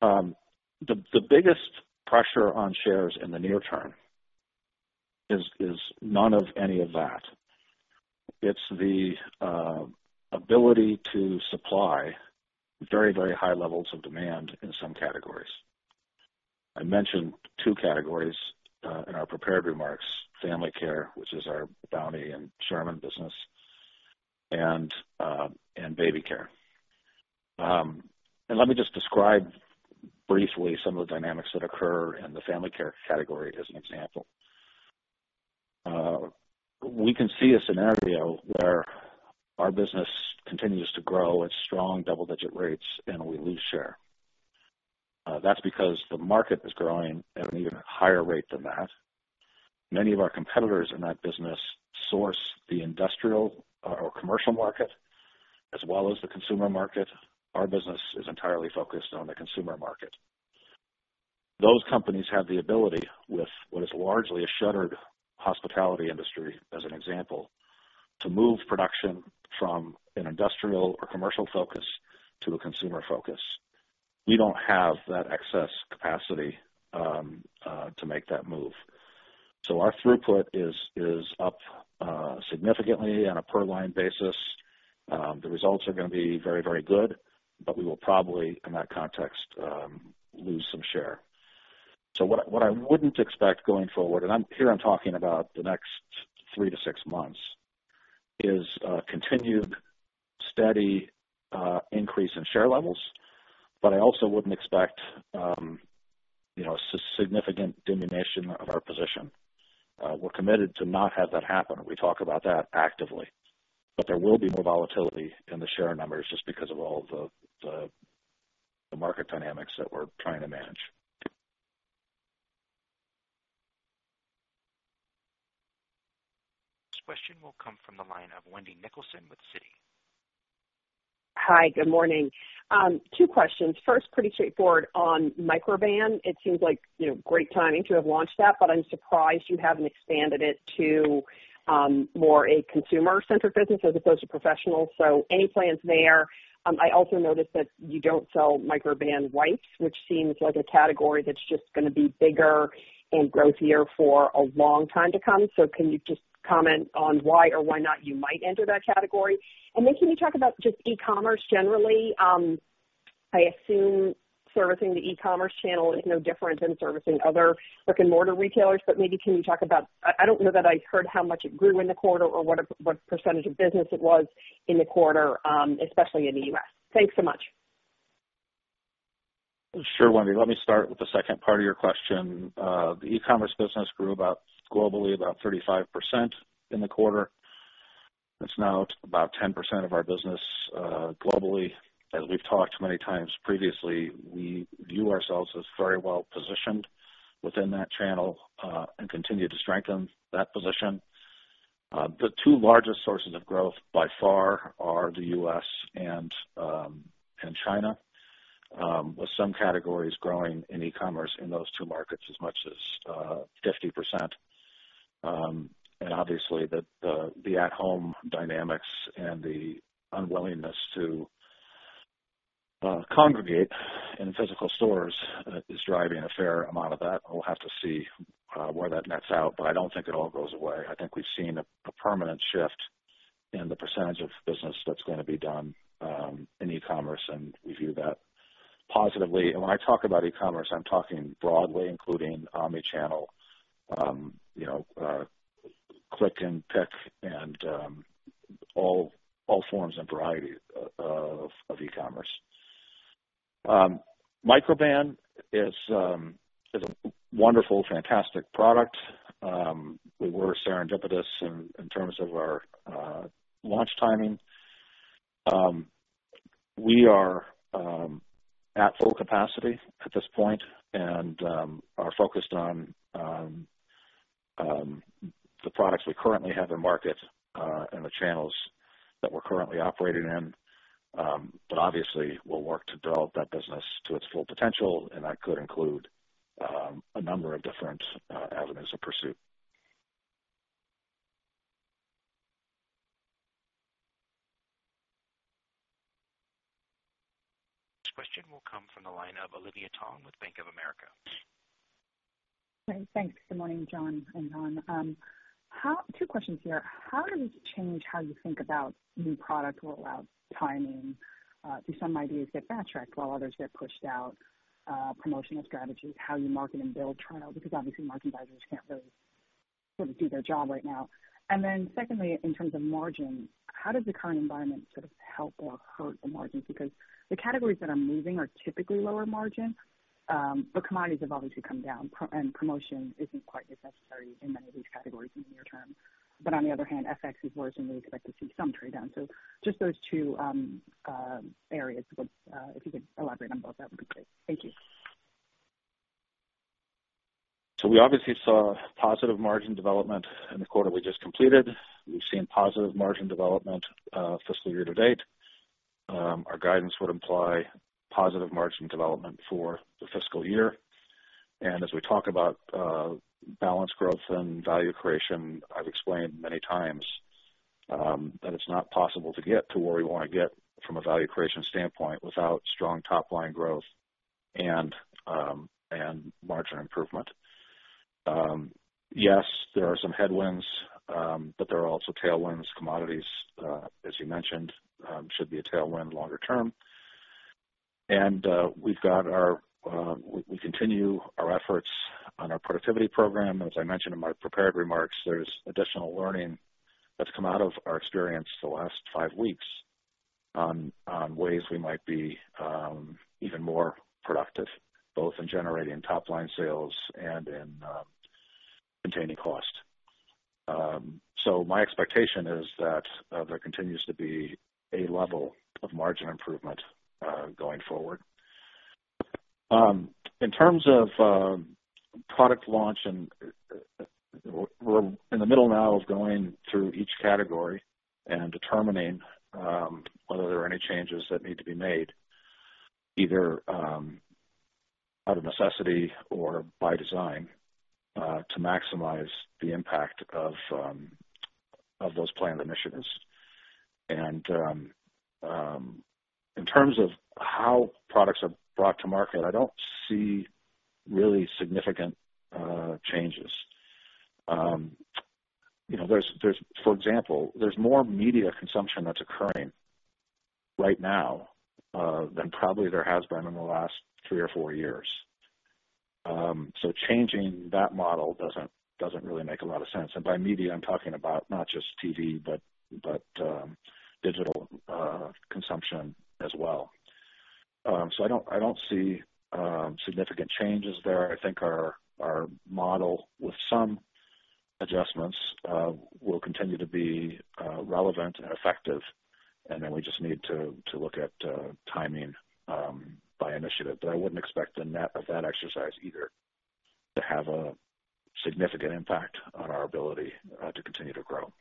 The biggest pressure on shares in the near term is none of any of that. It's the ability to supply very high levels of demand in some categories. I mentioned two categories in our prepared remarks, family care, which is our Bounty and Charmin business, and baby care. Let me just describe briefly some of the dynamics that occur in the family care category as an example. We can see a scenario where our business continues to grow at strong double-digit rates and we lose share. That's because the market is growing at an even higher rate than that. Many of our competitors in that business source the industrial or commercial market as well as the consumer market. Our business is entirely focused on the consumer market. Those companies have the ability with what is largely a shuttered hospitality industry, as an example, to move production from an industrial or commercial focus to a consumer focus. We don't have that excess capacity to make that move. Our throughput is up significantly on a per-line basis. The results are going to be very, very good, but we will probably, in that context, lose some share. What I wouldn't expect going forward, and here I'm talking about the next three to six months, is a continued steady increase in share levels, but I also wouldn't expect a significant diminution of our position. We're committed to not have that happen. We talk about that actively. There will be more volatility in the share numbers just because of all of the market dynamics that we're trying to manage. This question will come from the line of Wendy Nicholson with Citi. Hi, good morning. Two questions. First, pretty straightforward on Microban. It seems like great timing to have launched that, but I'm surprised you haven't expanded it to more a consumer-centric business as opposed to professional. Any plans there? I also noticed that you don't sell Microban wipes, which seems like a category that's just going to be bigger and growthier for a long time to come. Can you just comment on why or why not you might enter that category? Can you talk about just e-commerce generally? I assume servicing the e-commerce channel is no different than servicing other brick-and-mortar retailers. Maybe can you talk about I don't know that I heard how much it grew in the quarter or what percentage of business it was in the quarter, especially in the U.S. Thanks so much. Sure, Wendy. Let me start with the second part of your question. The e-commerce business grew globally about 35% in the quarter. It's now about 10% of our business globally. As we've talked many times previously, we view ourselves as very well-positioned within that channel and continue to strengthen that position. The two largest sources of growth by far are the U.S. and China, with some categories growing in e-commerce in those two markets as much as 50%. Obviously, the at-home dynamics and the unwillingness to congregate in physical stores is driving a fair amount of that. We'll have to see where that nets out, but I don't think it all goes away. I think we've seen a permanent shift in the percentage of business that's going to be done in e-commerce, and we view that positively. When I talk about e-commerce, I'm talking broadly, including omni-channel, click and pick, and all forms and varieties of e-commerce. Microban is a wonderful, fantastic product. We were serendipitous in terms of our launch timing. We are at full capacity at this point and are focused on the products we currently have in market and the channels that we're currently operating in. Obviously, we'll work to develop that business to its full potential, and that could include a number of different avenues of pursuit. Next question will come from the line of Olivia Tong with Bank of America. Thanks. Good morning, John and Jon. Two questions here. How does it change how you think about new product roll-out timing? Do some ideas get backtracked while others get pushed out? Promotional strategies, how you market and build trials, because obviously marketers can't really sort of do their job right now. Secondly, in terms of margin, how does the current environment sort of help or hurt the margin? Because the categories that are moving are typically lower margin. Commodities have obviously come down, and promotion isn't quite as necessary in many of these categories in the near term. On the other hand, FX is worse, and we expect to see some trade down. Just those two areas, if you could elaborate on both, that would be great. Thank you. We obviously saw positive margin development in the quarter we just completed. We've seen positive margin development fiscal year to date. Our guidance would imply positive margin development for the fiscal year. As we talk about balanced growth and value creation, I've explained many times that it's not possible to get to where we want to get from a value creation standpoint without strong top-line growth and margin improvement. Yes, there are some headwinds, but there are also tailwinds. Commodities, as you mentioned, should be a tailwind longer term. We continue our efforts on our productivity program. As I mentioned in my prepared remarks, there's additional learning that's come out of our experience the last five weeks on ways we might be even more productive, both in generating top-line sales and in containing cost. My expectation is that there continues to be a level of margin improvement going forward. In terms of product launch, we're in the middle now of going through each category and determining whether there are any changes that need to be made, either out of necessity or by design, to maximize the impact of those planned initiatives. In terms of how products are brought to market, I don't see really significant changes. For example, there's more media consumption that's occurring right now than probably there has been in the last three or four years. Changing that model doesn't really make a lot of sense. By media, I'm talking about not just TV, but digital consumption as well. I don't see significant changes there. I think our model, with some adjustments, will continue to be relevant and effective, and then we just need to look at timing by initiative. I wouldn't expect the net of that exercise either to have a significant impact on our ability to continue to grow.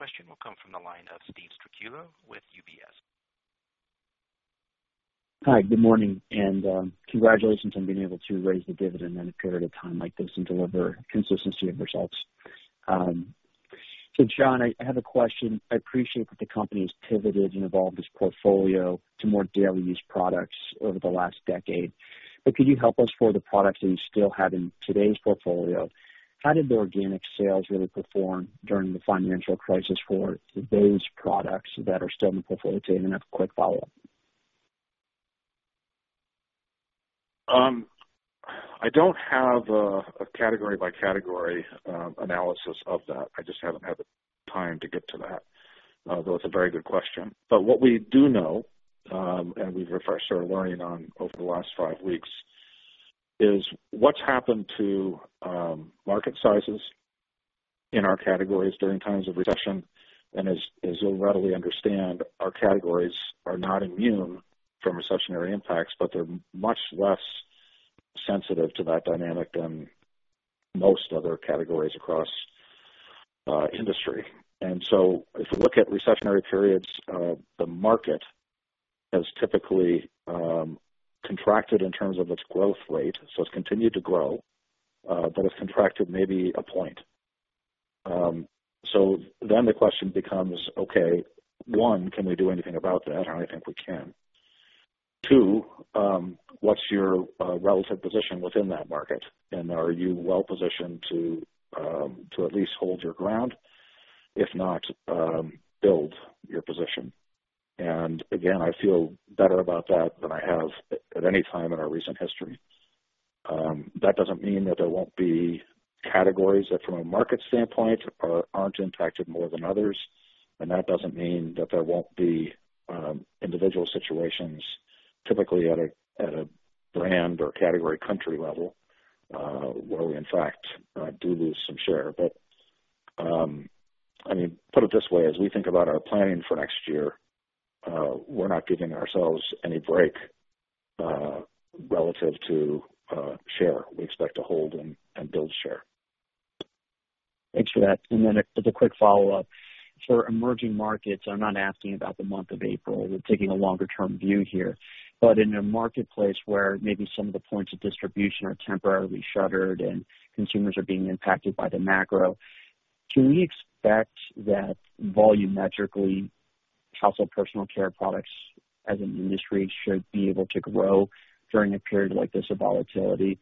Next question will come from the line of Steve Strycula with UBS. Good morning, congratulations on being able to raise the dividend in a period of time like this and deliver consistency of results. Jon, I have a question. I appreciate that the company has pivoted and evolved its portfolio to more daily use products over the last decade. Could you help us for the products that you still have in today's portfolio, how did the organic sales really perform during the financial crisis for those products that are still in the portfolio today? I have a quick follow-up. I don't have a category by category analysis of that. I just haven't had the time to get to that, though it's a very good question. What we do know, and we've started learning on over the last five weeks, is what's happened to market sizes in our categories during times of recession. As you'll readily understand, our categories are not immune from recessionary impacts, but they're much less sensitive to that dynamic than most other categories across industry. If we look at recessionary periods, the market has typically contracted in terms of its growth rate. It's continued to grow, but it's contracted maybe a point. The question becomes, okay, one, can we do anything about that? I don't think we can. Two, what's your relative position within that market? Are you well positioned to at least hold your ground, if not, build your position? Again, I feel better about that than I have at any time in our recent history. That doesn't mean that there won't be categories that from a market standpoint aren't impacted more than others, and that doesn't mean that there won't be individual situations, typically at a brand or category country level, where we in fact do lose some share. Put it this way, as we think about our planning for next year, we're not giving ourselves any break, relative to share. We expect to hold and build share. Thanks for that. Just a quick follow-up. For emerging markets, I'm not asking about the month of April, we're taking a longer-term view here, but in a marketplace where maybe some of the points of distribution are temporarily shuttered and consumers are being impacted by the macro, can we expect that volumetrically, household personal care products as an industry should be able to grow during a period like this of volatility?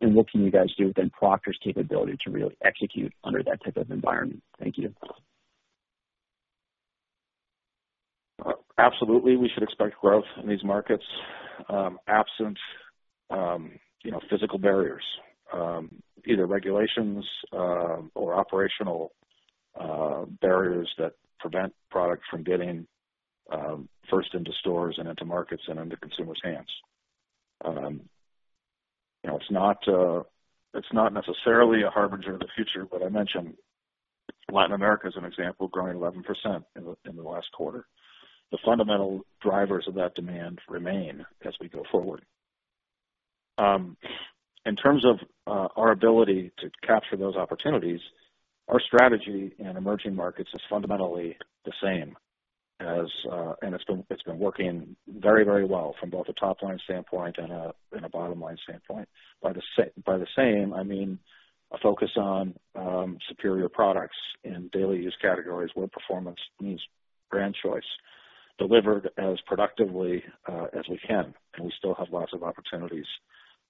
What can you guys do within Procter's capability to really execute under that type of environment? Thank you. Absolutely we should expect growth in these markets. Absent physical barriers, either regulations or operational barriers that prevent product from getting first into stores and into markets and into consumers hands. It's not necessarily a harbinger of the future, but I mentioned Latin America as an example, growing 11% in the last quarter. The fundamental drivers of that demand remain as we go forward. In terms of our ability to capture those opportunities, our strategy in emerging markets is fundamentally the same, and it's been working very well from both a top-line standpoint and a bottom-line standpoint. By the same, I mean a focus on superior products in daily use categories where performance means brand choice delivered as productively as we can. We still have lots of opportunities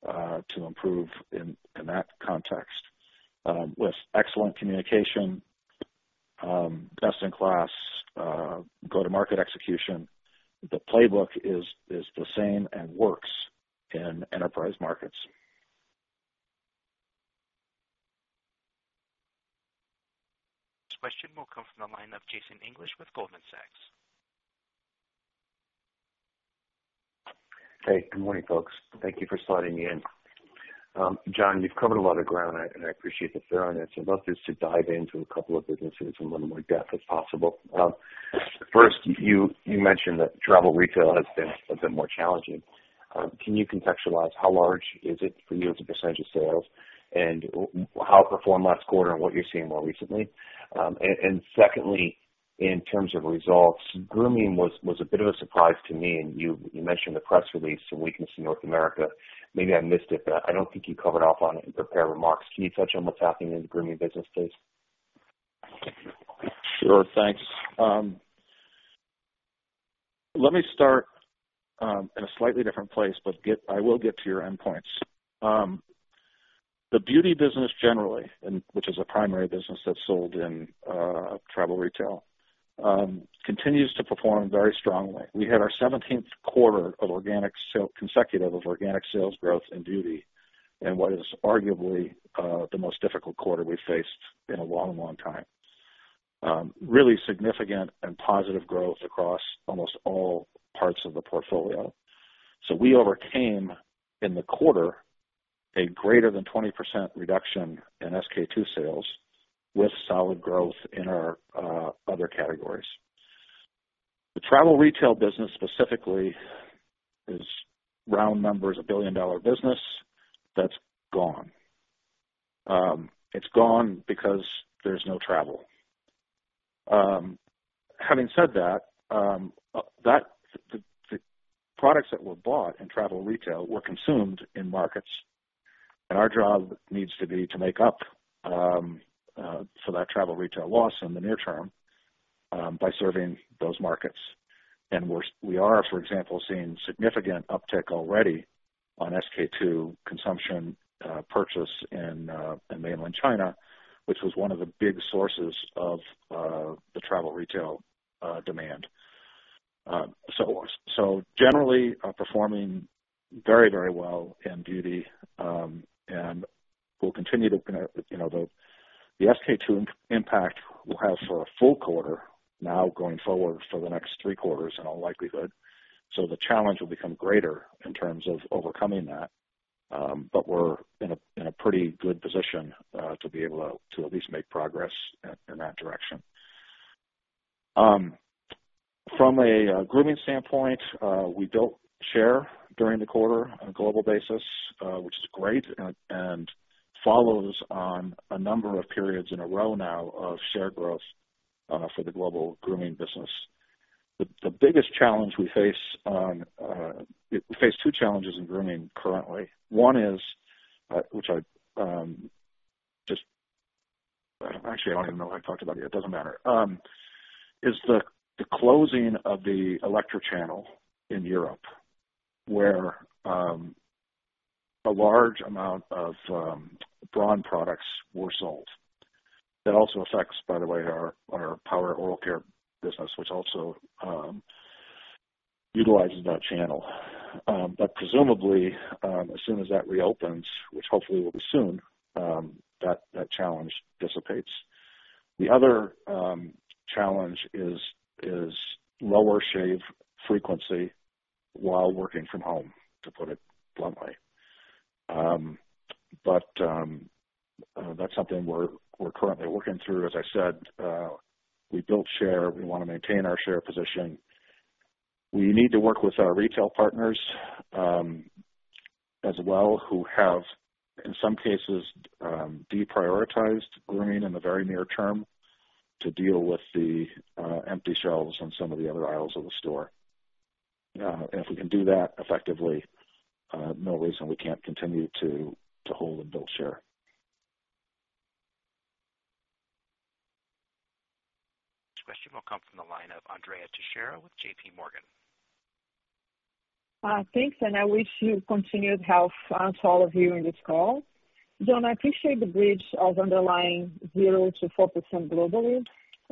to improve in that context, with excellent communication, best in class go-to-market execution. The playbook is the same and works in enterprise markets. Next question will come from the line of Jason English with Goldman Sachs. Hey, good morning, folks. Thank you for sliding me in. Jon, you've covered a lot of ground, and I appreciate the thoroughness. I'd love just to dive into a couple of businesses in a little more depth, if possible. First, you mentioned that travel retail has been a bit more challenging. Can you contextualize how large is it for you as a percentage of sales and how it performed last quarter and what you're seeing more recently? Secondly, in terms of results, grooming was a bit of a surprise to me. You mentioned the press release, some weakness in North America. Maybe I missed it, but I don't think you covered off on it in prepared remarks. Can you touch on what's happening in the grooming business, please? Sure. Thanks. Let me start in a slightly different place, but I will get to your end points. The beauty business generally, which is a primary business that's sold in travel retail, continues to perform very strongly. We had our 17th quarter consecutive of organic sales growth in beauty in what is arguably the most difficult quarter we've faced in a long time. Really significant and positive growth across almost all parts of the portfolio. We overcame in the quarter a greater than 20% reduction in SK-II sales with solid growth in our other categories. The travel retail business specifically is round numbers a billion-dollar business that's gone. It's gone because there's no travel. Having said that, the products that were bought in travel retail were consumed in markets, our job needs to be to make up for that travel retail loss in the near term by serving those markets. We are, for example, seeing significant uptick already on SK-II consumption purchase in mainland China, which was one of the big sources of the travel retail demand. Generally, performing very, very well in beauty, the SK-II impact will have for a full quarter now going forward for the next three quarters in all likelihood. The challenge will become greater in terms of overcoming that. We're in a pretty good position to be able to at least make progress in that direction. From a grooming standpoint, we built share during the quarter on a global basis, which is great, and follows on a number of periods in a row now of share growth for the global grooming business. We face two challenges in grooming currently. One is, actually, I don't even know I talked about it doesn't matter. Is the closing of the electrical channel in Europe where a large amount of Braun products were sold. That also affects, by the way, our Power Oral Care business, which also utilizes that channel. Presumably, as soon as that reopens, which hopefully will be soon, that challenge dissipates. The other challenge is lower shave frequency while working from home, to put it bluntly. That's something we're currently working through. As I said, we built share. We want to maintain our share position. We need to work with our retail partners, as well who have, in some cases, deprioritized grooming in the very near term to deal with the empty shelves on some of the other aisles of the store. If we can do that effectively, no reason we can't continue to hold and build share. Next question will come from the line of Andrea Teixeira with J.P. Morgan. Thanks. I wish you continued health to all of you in this call. Jon, I appreciate the bridge of underlying 0%-4% globally.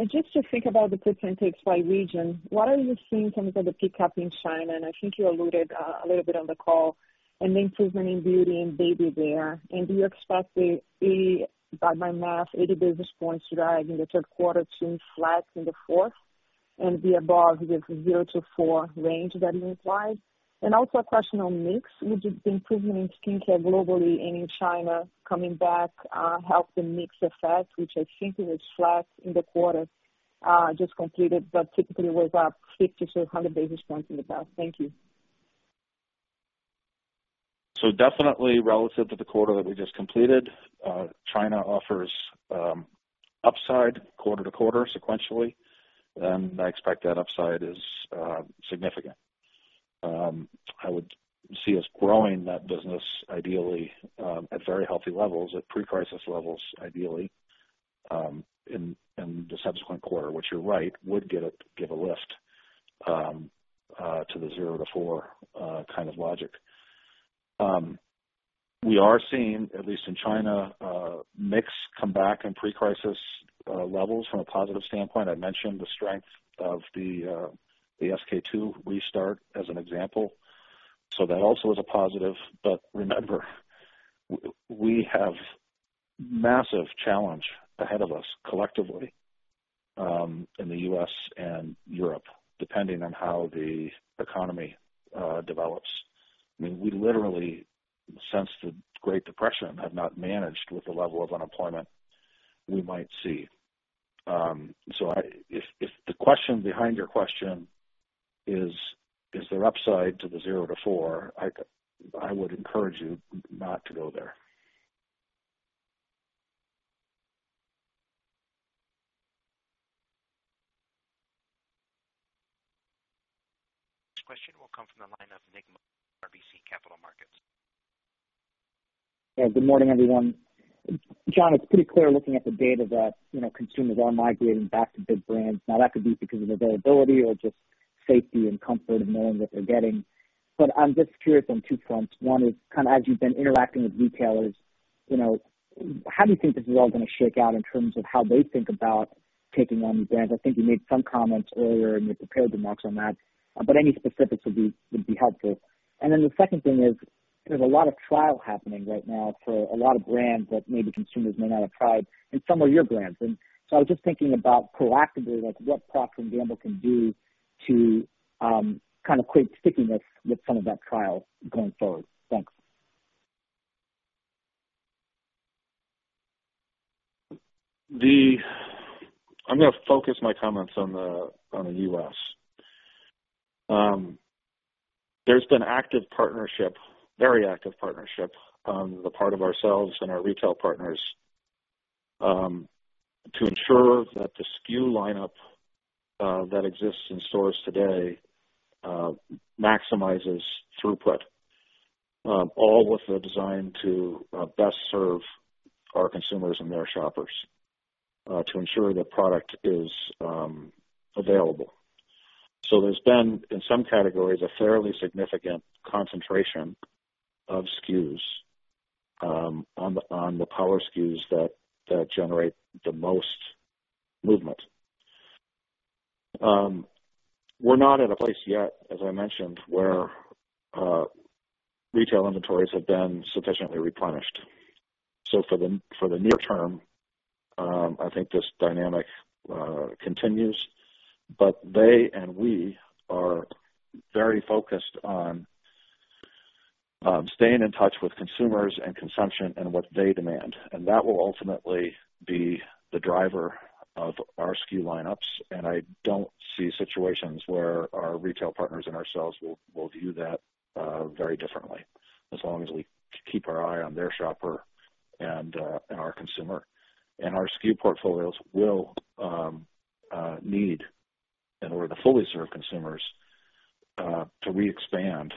Just to think about the percentages by region, what are you seeing in terms of the pickup in China? I think you alluded a little bit on the call an improvement in beauty and baby there. Do you expect a, by my math, 80 basis points drag in the third quarter to flat in the fourth, and be above the 0%-4% range that implies? Also a question on mix. With the improvement in skincare globally and in China coming back, helped the mix effect, which I think it was flat in the quarter just completed, but typically was up 50 basis points-100 basis points in the past. Thank you. Definitely relative to the quarter that we just completed, China offers upside quarter-to-quarter sequentially, and I expect that upside is significant. I would see us growing that business ideally, at very healthy levels, at pre-crisis levels ideally, in the subsequent quarter, which you're right, would give a lift to the 0%-4% kind of logic. We are seeing, at least in China, mix come back in pre-crisis levels from a positive standpoint. I mentioned the strength of the SK-II restart as an example. That also is a positive. Remember, we have massive challenge ahead of us collectively, in the U.S. and Europe, depending on how the economy develops. I mean, we literally, since the Great Depression, have not managed with the level of unemployment we might see. If the question behind your question is there upside to the 0%-4%, I would encourage you not to go there. Next question will come from the line of Nik Modi, RBC Capital Markets. Yeah, good morning, everyone. Jon, it's pretty clear looking at the data that consumers are migrating back to big brands. Now, that could be because of availability or just safety and comfort in knowing what they're getting. I'm just curious on two fronts. One is kind of as you've been interacting with retailers, how do you think this is all going to shake out in terms of how they think about taking on these brands? I think you made some comments earlier in your prepared remarks on that, but any specifics would be helpful. The second thing is, there's a lot of trial happening right now for a lot of brands that maybe consumers may not have tried, and some are your brands. I was just thinking about proactively, like what Procter & Gamble can do to kind of create stickiness with some of that trial going forward. Thanks. I'm going to focus my comments on the U.S. There's been active partnership, very active partnership on the part of ourselves and our retail partners, to ensure that the SKU lineup that exists in stores today maximizes throughput. All with the design to best serve our consumers and their shoppers, to ensure that product is available. There's been, in some categories, a fairly significant concentration of SKUs on the power SKUs that generate the most movement. We're not at a place yet, as I mentioned, where retail inventories have been sufficiently replenished. For the near term, I think this dynamic continues, but they and we are very focused on staying in touch with consumers and consumption and what they demand. That will ultimately be the driver of our SKU lineups. I don't see situations where our retail partners and ourselves will view that very differently, as long as we keep our eye on their shopper and our consumer. Our SKU portfolios will need, in order to fully serve consumers, to re-expand.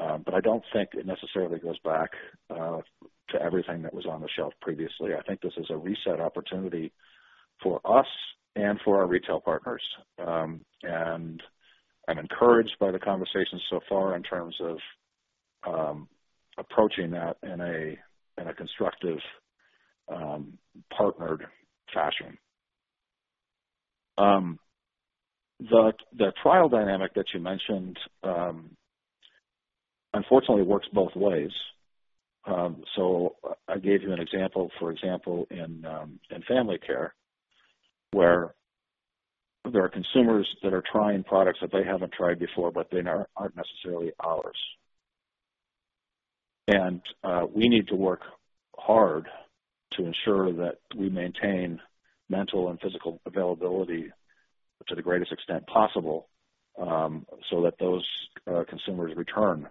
I don't think it necessarily goes back to everything that was on the shelf previously. I think this is a reset opportunity for us and for our retail partners. I'm encouraged by the conversations so far in terms of approaching that in a constructive, partnered fashion. The trial dynamic that you mentioned unfortunately works both ways. I gave you an example, for example, in Family Care, where there are consumers that are trying products that they haven't tried before, but they aren't necessarily ours. We need to work hard to ensure that we maintain mental and physical availability to the greatest extent possible, so that those consumers return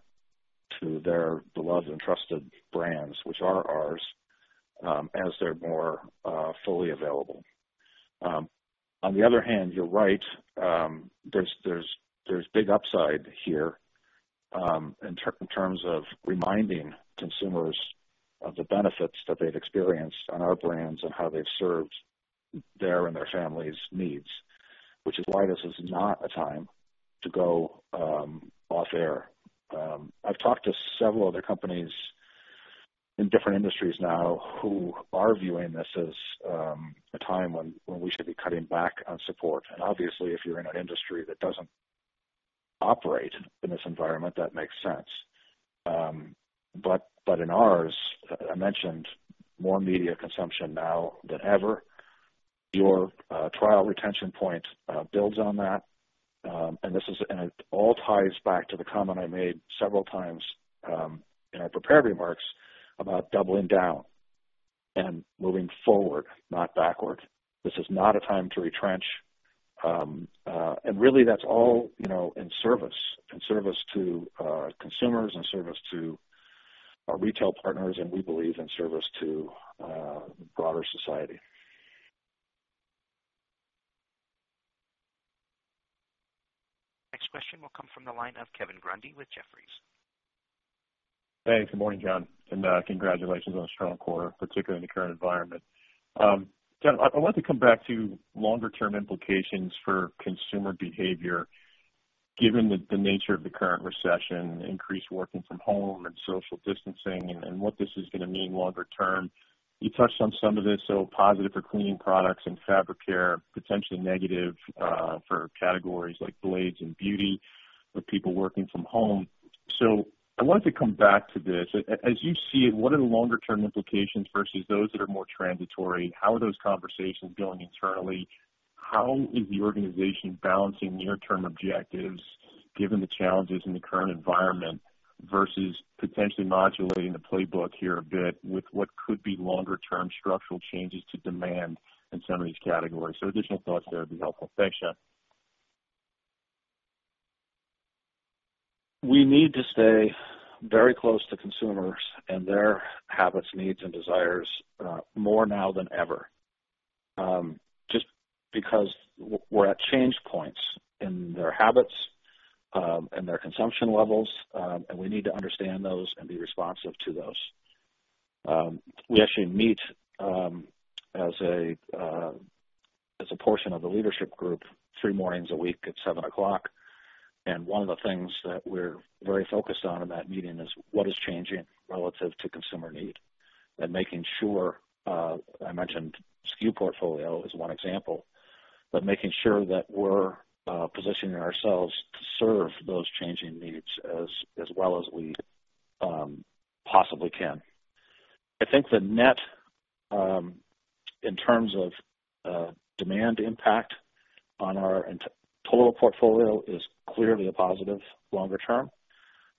to their beloved and trusted brands, which are ours, as they're more fully available. On the other hand, you're right. There's big upside here in terms of reminding consumers of the benefits that they've experienced on our brands and how they've served their and their family's needs, which is why this is not a time to go off air. I've talked to several other companies in different industries now who are viewing this as a time when we should be cutting back on support. Obviously, if you're in an industry that doesn't operate in this environment, that makes sense. In ours, I mentioned more media consumption now than ever. Your trial retention point builds on that, and it all ties back to the comment I made several times in our prepared remarks about doubling down and moving forward, not backward. This is not a time to retrench. Really that's all in service to consumers, in service to our retail partners, and we believe in service to broader society. Next question will come from the line of Kevin Grundy with Jefferies. Thanks. Good morning, Jon. Congratulations on a strong quarter, particularly in the current environment. Jon, I want to come back to longer-term implications for consumer behavior, given the nature of the current recession, increased working from home and social distancing, and what this is going to mean longer term. You touched on some of this, positive for cleaning products and fabric care, potentially negative for categories like blades and beauty, with people working from home. I wanted to come back to this. As you see it, what are the longer-term implications versus those that are more transitory? How are those conversations going internally? How is the organization balancing near-term objectives, given the challenges in the current environment, versus potentially modulating the playbook here a bit with what could be longer-term structural changes to demand in some of these categories? Additional thoughts there would be helpful. Thanks, Jon. We need to stay very close to consumers and their habits, needs, and desires more now than ever. Because we're at change points in their habits and their consumption levels, we need to understand those and be responsive to those. We actually meet as a portion of the leadership group three mornings a week at seven o'clock. One of the things that we're very focused on in that meeting is what is changing relative to consumer need and making sure, I mentioned SKU portfolio as one example, making sure that we're positioning ourselves to serve those changing needs as well as we possibly can. I think the net, in terms of demand impact on our total portfolio, is clearly a positive longer term.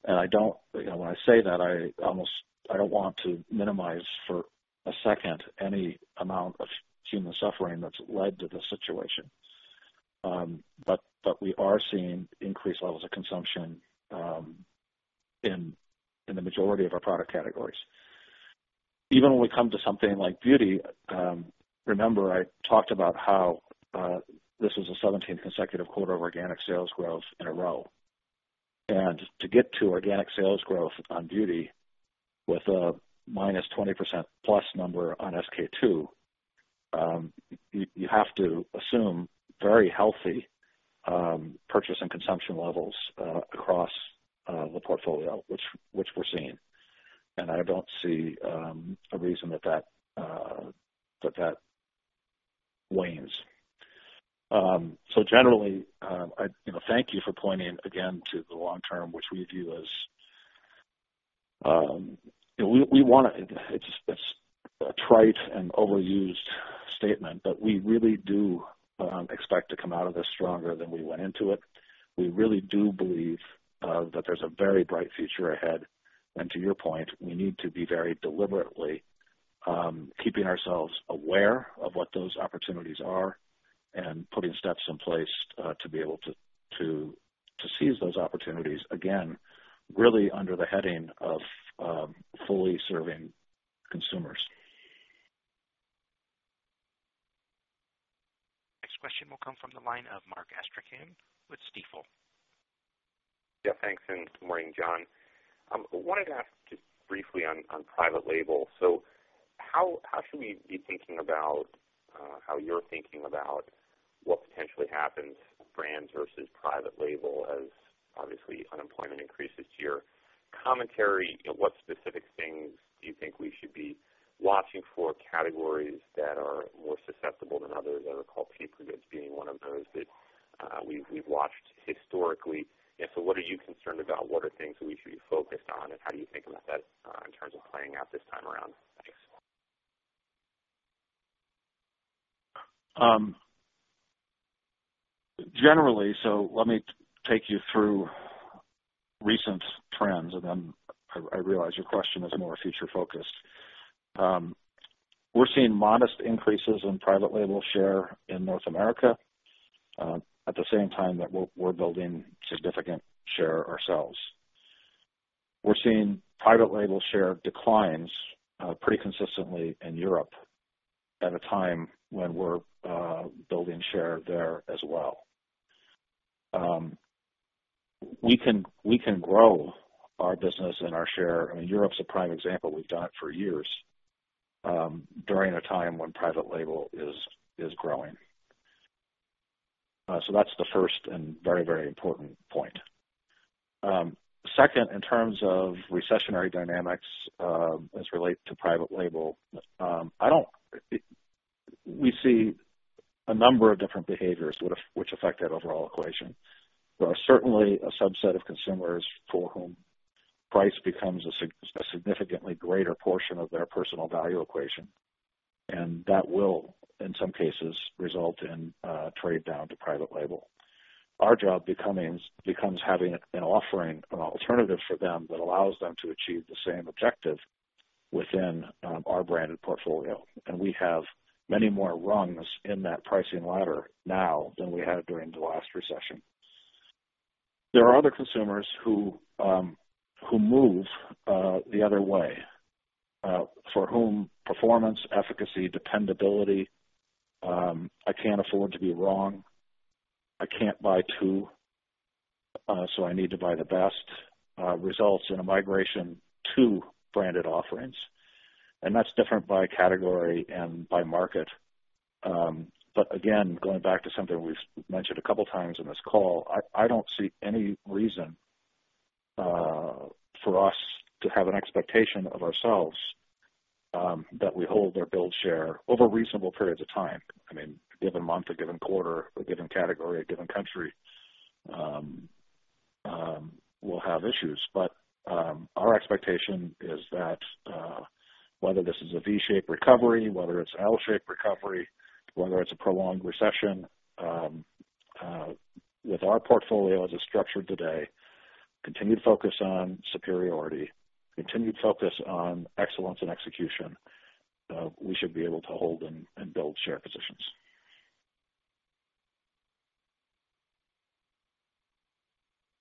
When I say that, I don't want to minimize for a second any amount of human suffering that's led to this situation. We are seeing increased levels of consumption in the majority of our product categories. Even when we come to something like beauty, remember, I talked about how this was a 17 consecutive quarter of organic sales growth in a row. To get to organic sales growth on beauty with a -20% plus number on SK-II, you have to assume very healthy purchase and consumption levels across the portfolio, which we're seeing. I don't see a reason that that wanes. Generally, thank you for pointing, again, to the long term, which we view as. It's a trite and overused statement, we really do expect to come out of this stronger than we went into it. We really do believe that there's a very bright future ahead. To your point, we need to be very deliberately keeping ourselves aware of what those opportunities are and putting steps in place to be able to seize those opportunities, again, really under the heading of fully serving consumers. Next question will come from the line of Mark Astrachan with Stifel. Thanks, and good morning, Jon. I wanted to ask just briefly on private label. How should we be thinking about how you're thinking about what potentially happens brands versus private label as obviously unemployment increases here? Commentary, what specific things do you think we should be watching for categories that are more susceptible than others? I recall paper goods being one of those that we've watched historically. What are you concerned about? What are things that we should be focused on, and how do you think about that in terms of playing out this time around? Thanks. Generally, let me take you through recent trends. I realize your question is more future-focused. We're seeing modest increases in private label share in North America, at the same time that we're building significant share ourselves. We're seeing private label share declines pretty consistently in Europe at a time when we're building share there as well. We can grow our business and our share. Europe's a prime example, we've done it for years, during a time when private label is growing. That's the first and very important point. Second, in terms of recessionary dynamics as relate to private label, we see a number of different behaviors which affect that overall equation. There are certainly a subset of consumers for whom price becomes a significantly greater portion of their personal value equation. That will, in some cases, result in a trade-down to private label. Our job becomes having an offering, an alternative for them that allows them to achieve the same objective within our branded portfolio. We have many more rungs in that pricing ladder now than we had during the last recession. There are other consumers who move the other way, for whom performance, efficacy, dependability, I can't afford to be wrong, I can't buy two, so I need to buy the best, results in a migration to branded offerings. That's different by category and by market. Again, going back to something we've mentioned a couple of times in this call, I don't see any reason for us to have an expectation of ourselves that we hold or build share over reasonable periods of time. A given month, a given quarter, a given category, a given country will have issues. Our expectation is that whether this is a V-shaped recovery, whether it's an L-shaped recovery, whether it's a prolonged recession, with our portfolio as it's structured today, continued focus on superiority, continued focus on excellence in execution, we should be able to hold and build share positions.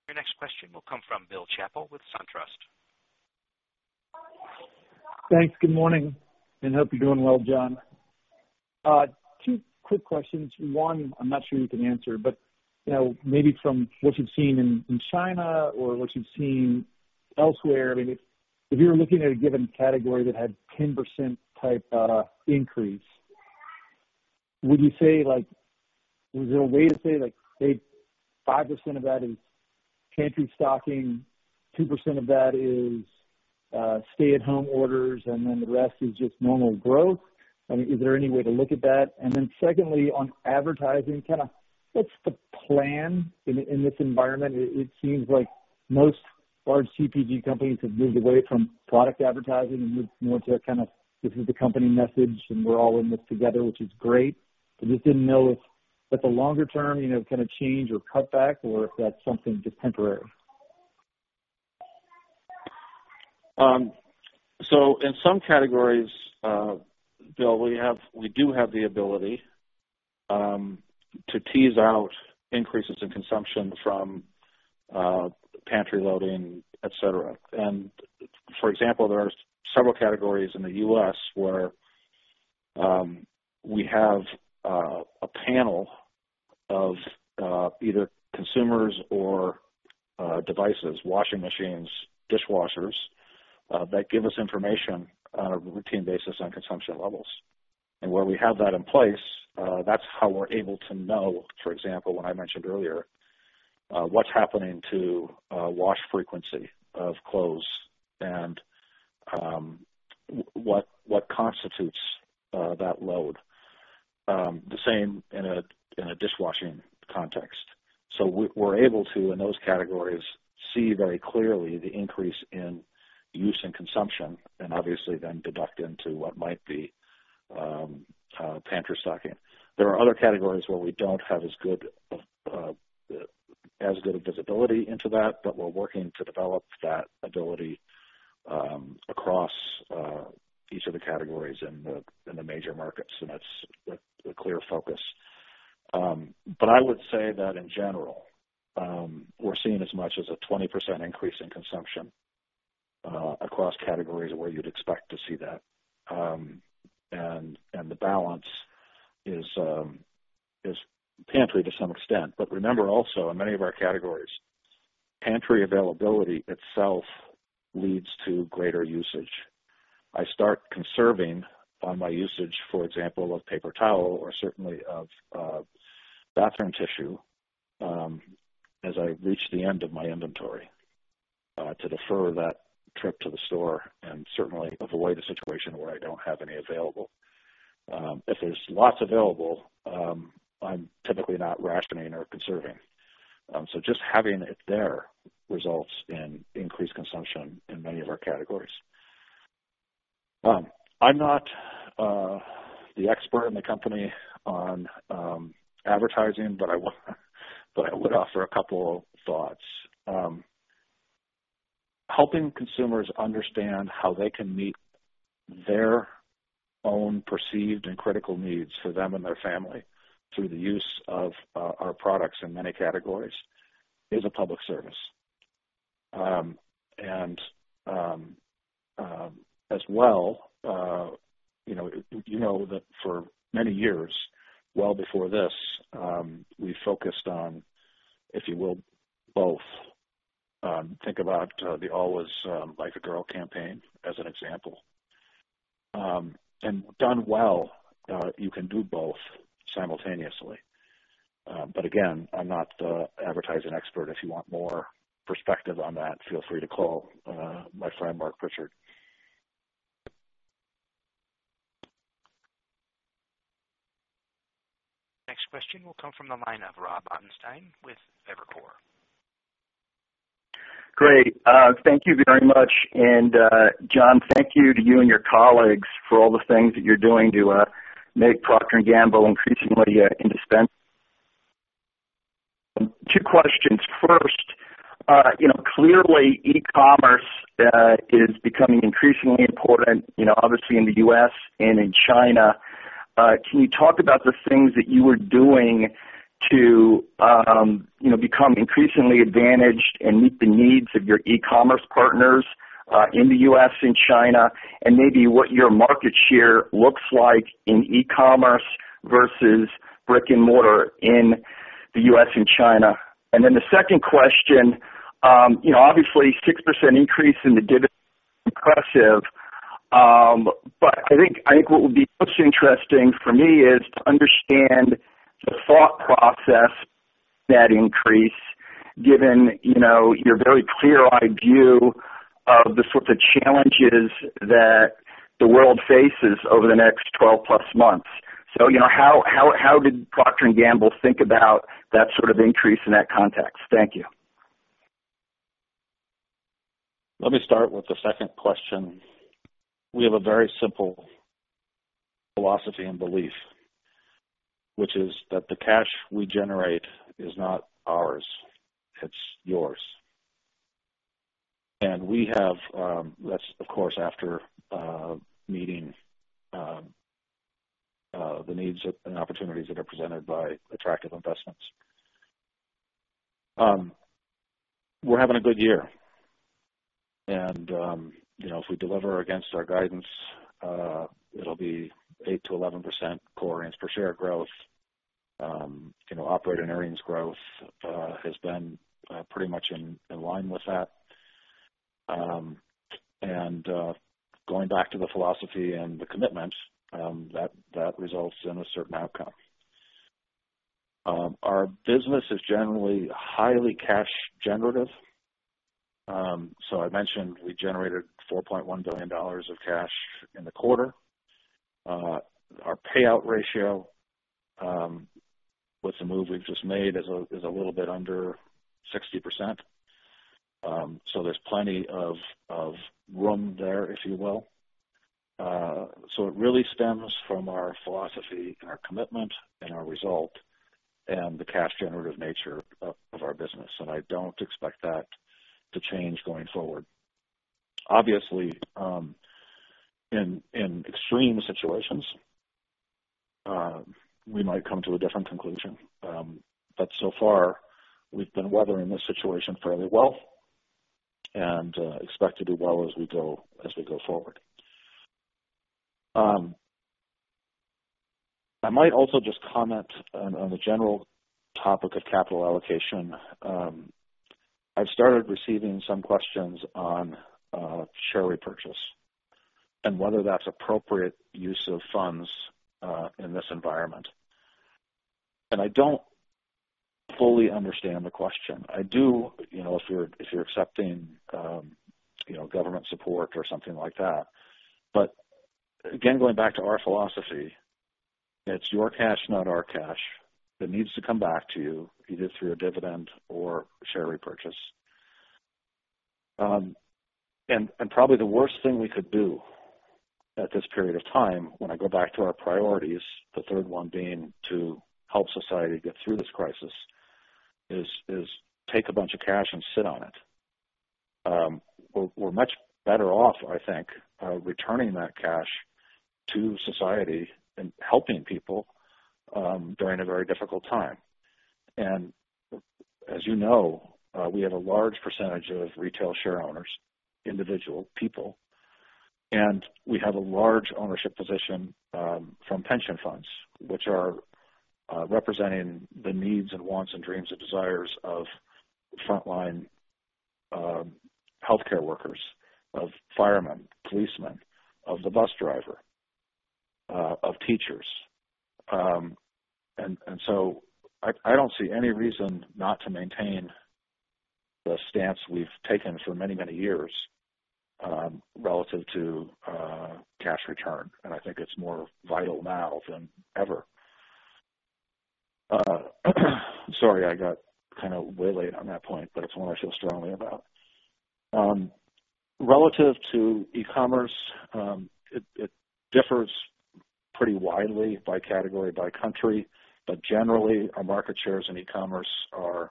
Your next question will come from Bill Chappell with SunTrust. Thanks. Good morning, and hope you're doing well, Jon. Two quick questions. One, I'm not sure you can answer, but maybe from what you've seen in China or what you've seen elsewhere, if you were looking at a given category that had 10% type increase, is there a way to say, like, say, 5% of that is pantry stocking, 2% of that is stay-at-home orders, and then the rest is just normal growth? Is there any way to look at that? Secondly, on advertising, what's the plan in this environment? It seems like most large CPG companies have moved away from product advertising and moved more to a kind of this is the company message and we're all in this together, which is great. Just didn't know if that's a longer-term kind of change or cutback or if that's something just temporary. In some categories, Bill, we do have the ability to tease out increases in consumption from pantry loading, et cetera. For example, there are several categories in the U.S. where we have a panel of either consumers or devices, washing machines, dishwashers, that give us information on a routine basis on consumption levels. Where we have that in place, that's how we're able to know, for example, what I mentioned earlier, what's happening to wash frequency of clothes and what constitutes that load. The same in a dishwashing context. We're able to, in those categories, see very clearly the increase in use and consumption, and obviously then deduct into what might be pantry stocking. There are other categories where we don't have as good of visibility into that. We're working to develop that ability across each of the categories in the major markets, that's a clear focus. I would say that in general, we're seeing as much as a 20% increase in consumption across categories where you'd expect to see that. The balance is pantry to some extent. Remember also, in many of our categories, pantry availability itself leads to greater usage. I start conserving on my usage, for example, of paper towel or certainly of bathroom tissue, as I reach the end of my inventory to defer that trip to the store and certainly avoid a situation where I don't have any available. If there's lots available, I'm typically not rationing or conserving. Just having it there results in increased consumption in many of our categories. I'm not the expert in the company on advertising, but I would offer a couple thoughts. Helping consumers understand how they can meet their own perceived and critical needs for them and their family through the use of our products in many categories is a public service. As well, you know that for many years, well before this, we focused on, if you will, both. Think about the Always Like a Girl campaign as an example. Done well, you can do both simultaneously. Again, I'm not the advertising expert. If you want more perspective on that, feel free to call my friend Marc Pritchard. Next question will come from the line of Rob Ottenstein with Evercore. Great. Thank you very much. Jon, thank you to you and your colleagues for all the things that you're doing to make Procter & Gamble increasingly indispensable. Two questions. First, clearly e-commerce is becoming increasingly important, obviously in the U.S. and in China. Can you talk about the things that you are doing to become increasingly advantaged and meet the needs of your e-commerce partners, in the U.S. and China, and maybe what your market share looks like in e-commerce versus brick and mortar in the U.S. and China? The second question, obviously, 6% increase in the dividend is impressive. I think what would be most interesting for me is to understand the thought process behind that increase, given your very clear-eyed view of the sorts of challenges that the world faces over the next 12 plus months. How did Procter & Gamble think about that sort of increase in that context? Thank you. Let me start with the second question. We have a very simple philosophy and belief, which is that the cash we generate is not ours, it's yours. That's, of course, after meeting the needs and opportunities that are presented by attractive investments. We're having a good year. If we deliver against our guidance, it'll be 8%-11% core earnings per share growth. Operating earnings growth has been pretty much in line with that. Going back to the philosophy and the commitment, that results in a certain outcome. Our business is generally highly cash generative. I mentioned we generated $4.1 billion of cash in the quarter. Our payout ratio with the move we've just made is a little bit under 60%. There's plenty of room there, if you will. It really stems from our philosophy and our commitment and our result and the cash generative nature of our business. I don't expect that to change going forward. Obviously, in extreme situations, we might come to a different conclusion. So far, we've been weathering this situation fairly well and expect to do well as we go forward. I might also just comment on the general topic of capital allocation. I've started receiving some questions on share repurchase and whether that's appropriate use of funds in this environment. I don't fully understand the question. I do if you're accepting government support or something like that. Again, going back to our philosophy, it's your cash not our cash that needs to come back to you, either through a dividend or share repurchase. Probably the worst thing we could do at this period of time, when I go back to our priorities, the third one being to help society get through this crisis, is take a bunch of cash and sit on it. We're much better off, I think, returning that cash to society and helping people during a very difficult time. As you know, we have a large percentage of retail share owners, individual people, and we have a large ownership position from pension funds, which are representing the needs and wants and dreams and desires of frontline healthcare workers, of firemen, policemen, of the bus driver, of teachers. I don't see any reason not to maintain the stance we've taken for many, many years relative to cash return. I think it's more vital now than ever. Sorry, I got kind of whale-y on that point, but it's one I feel strongly about. Relative to e-commerce, it differs pretty widely by category, by country, but generally our market shares in e-commerce, our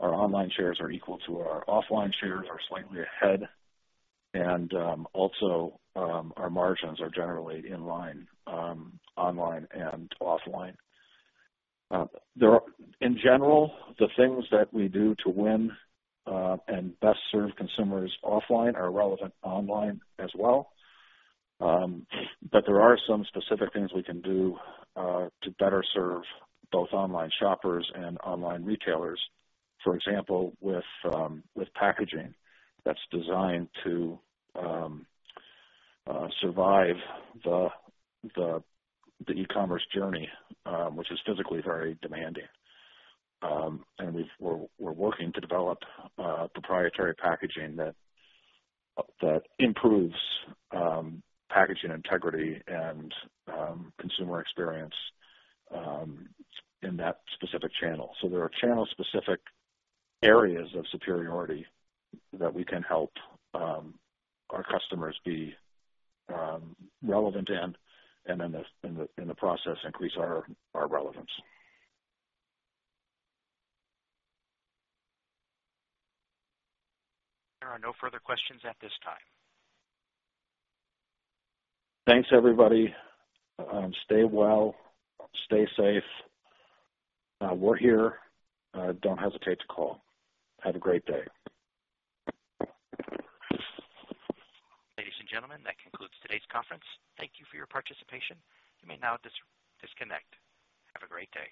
online shares are equal to our offline shares, are slightly ahead. Also, our margins are generally in line online and offline. In general, the things that we do to win and best serve consumers offline are relevant online as well. There are some specific things we can do to better serve both online shoppers and online retailers. For example, with packaging that's designed to survive the e-commerce journey, which is physically very demanding. We're working to develop proprietary packaging that improves packaging integrity and consumer experience in that specific channel. There are channel-specific areas of superiority that we can help our customers be relevant in, and in the process, increase our relevance. There are no further questions at this time. Thanks, everybody. Stay well, stay safe. We're here. Don't hesitate to call. Have a great day. Ladies and gentlemen, that concludes today's conference. Thank you for your participation. You may now disconnect. Have a great day.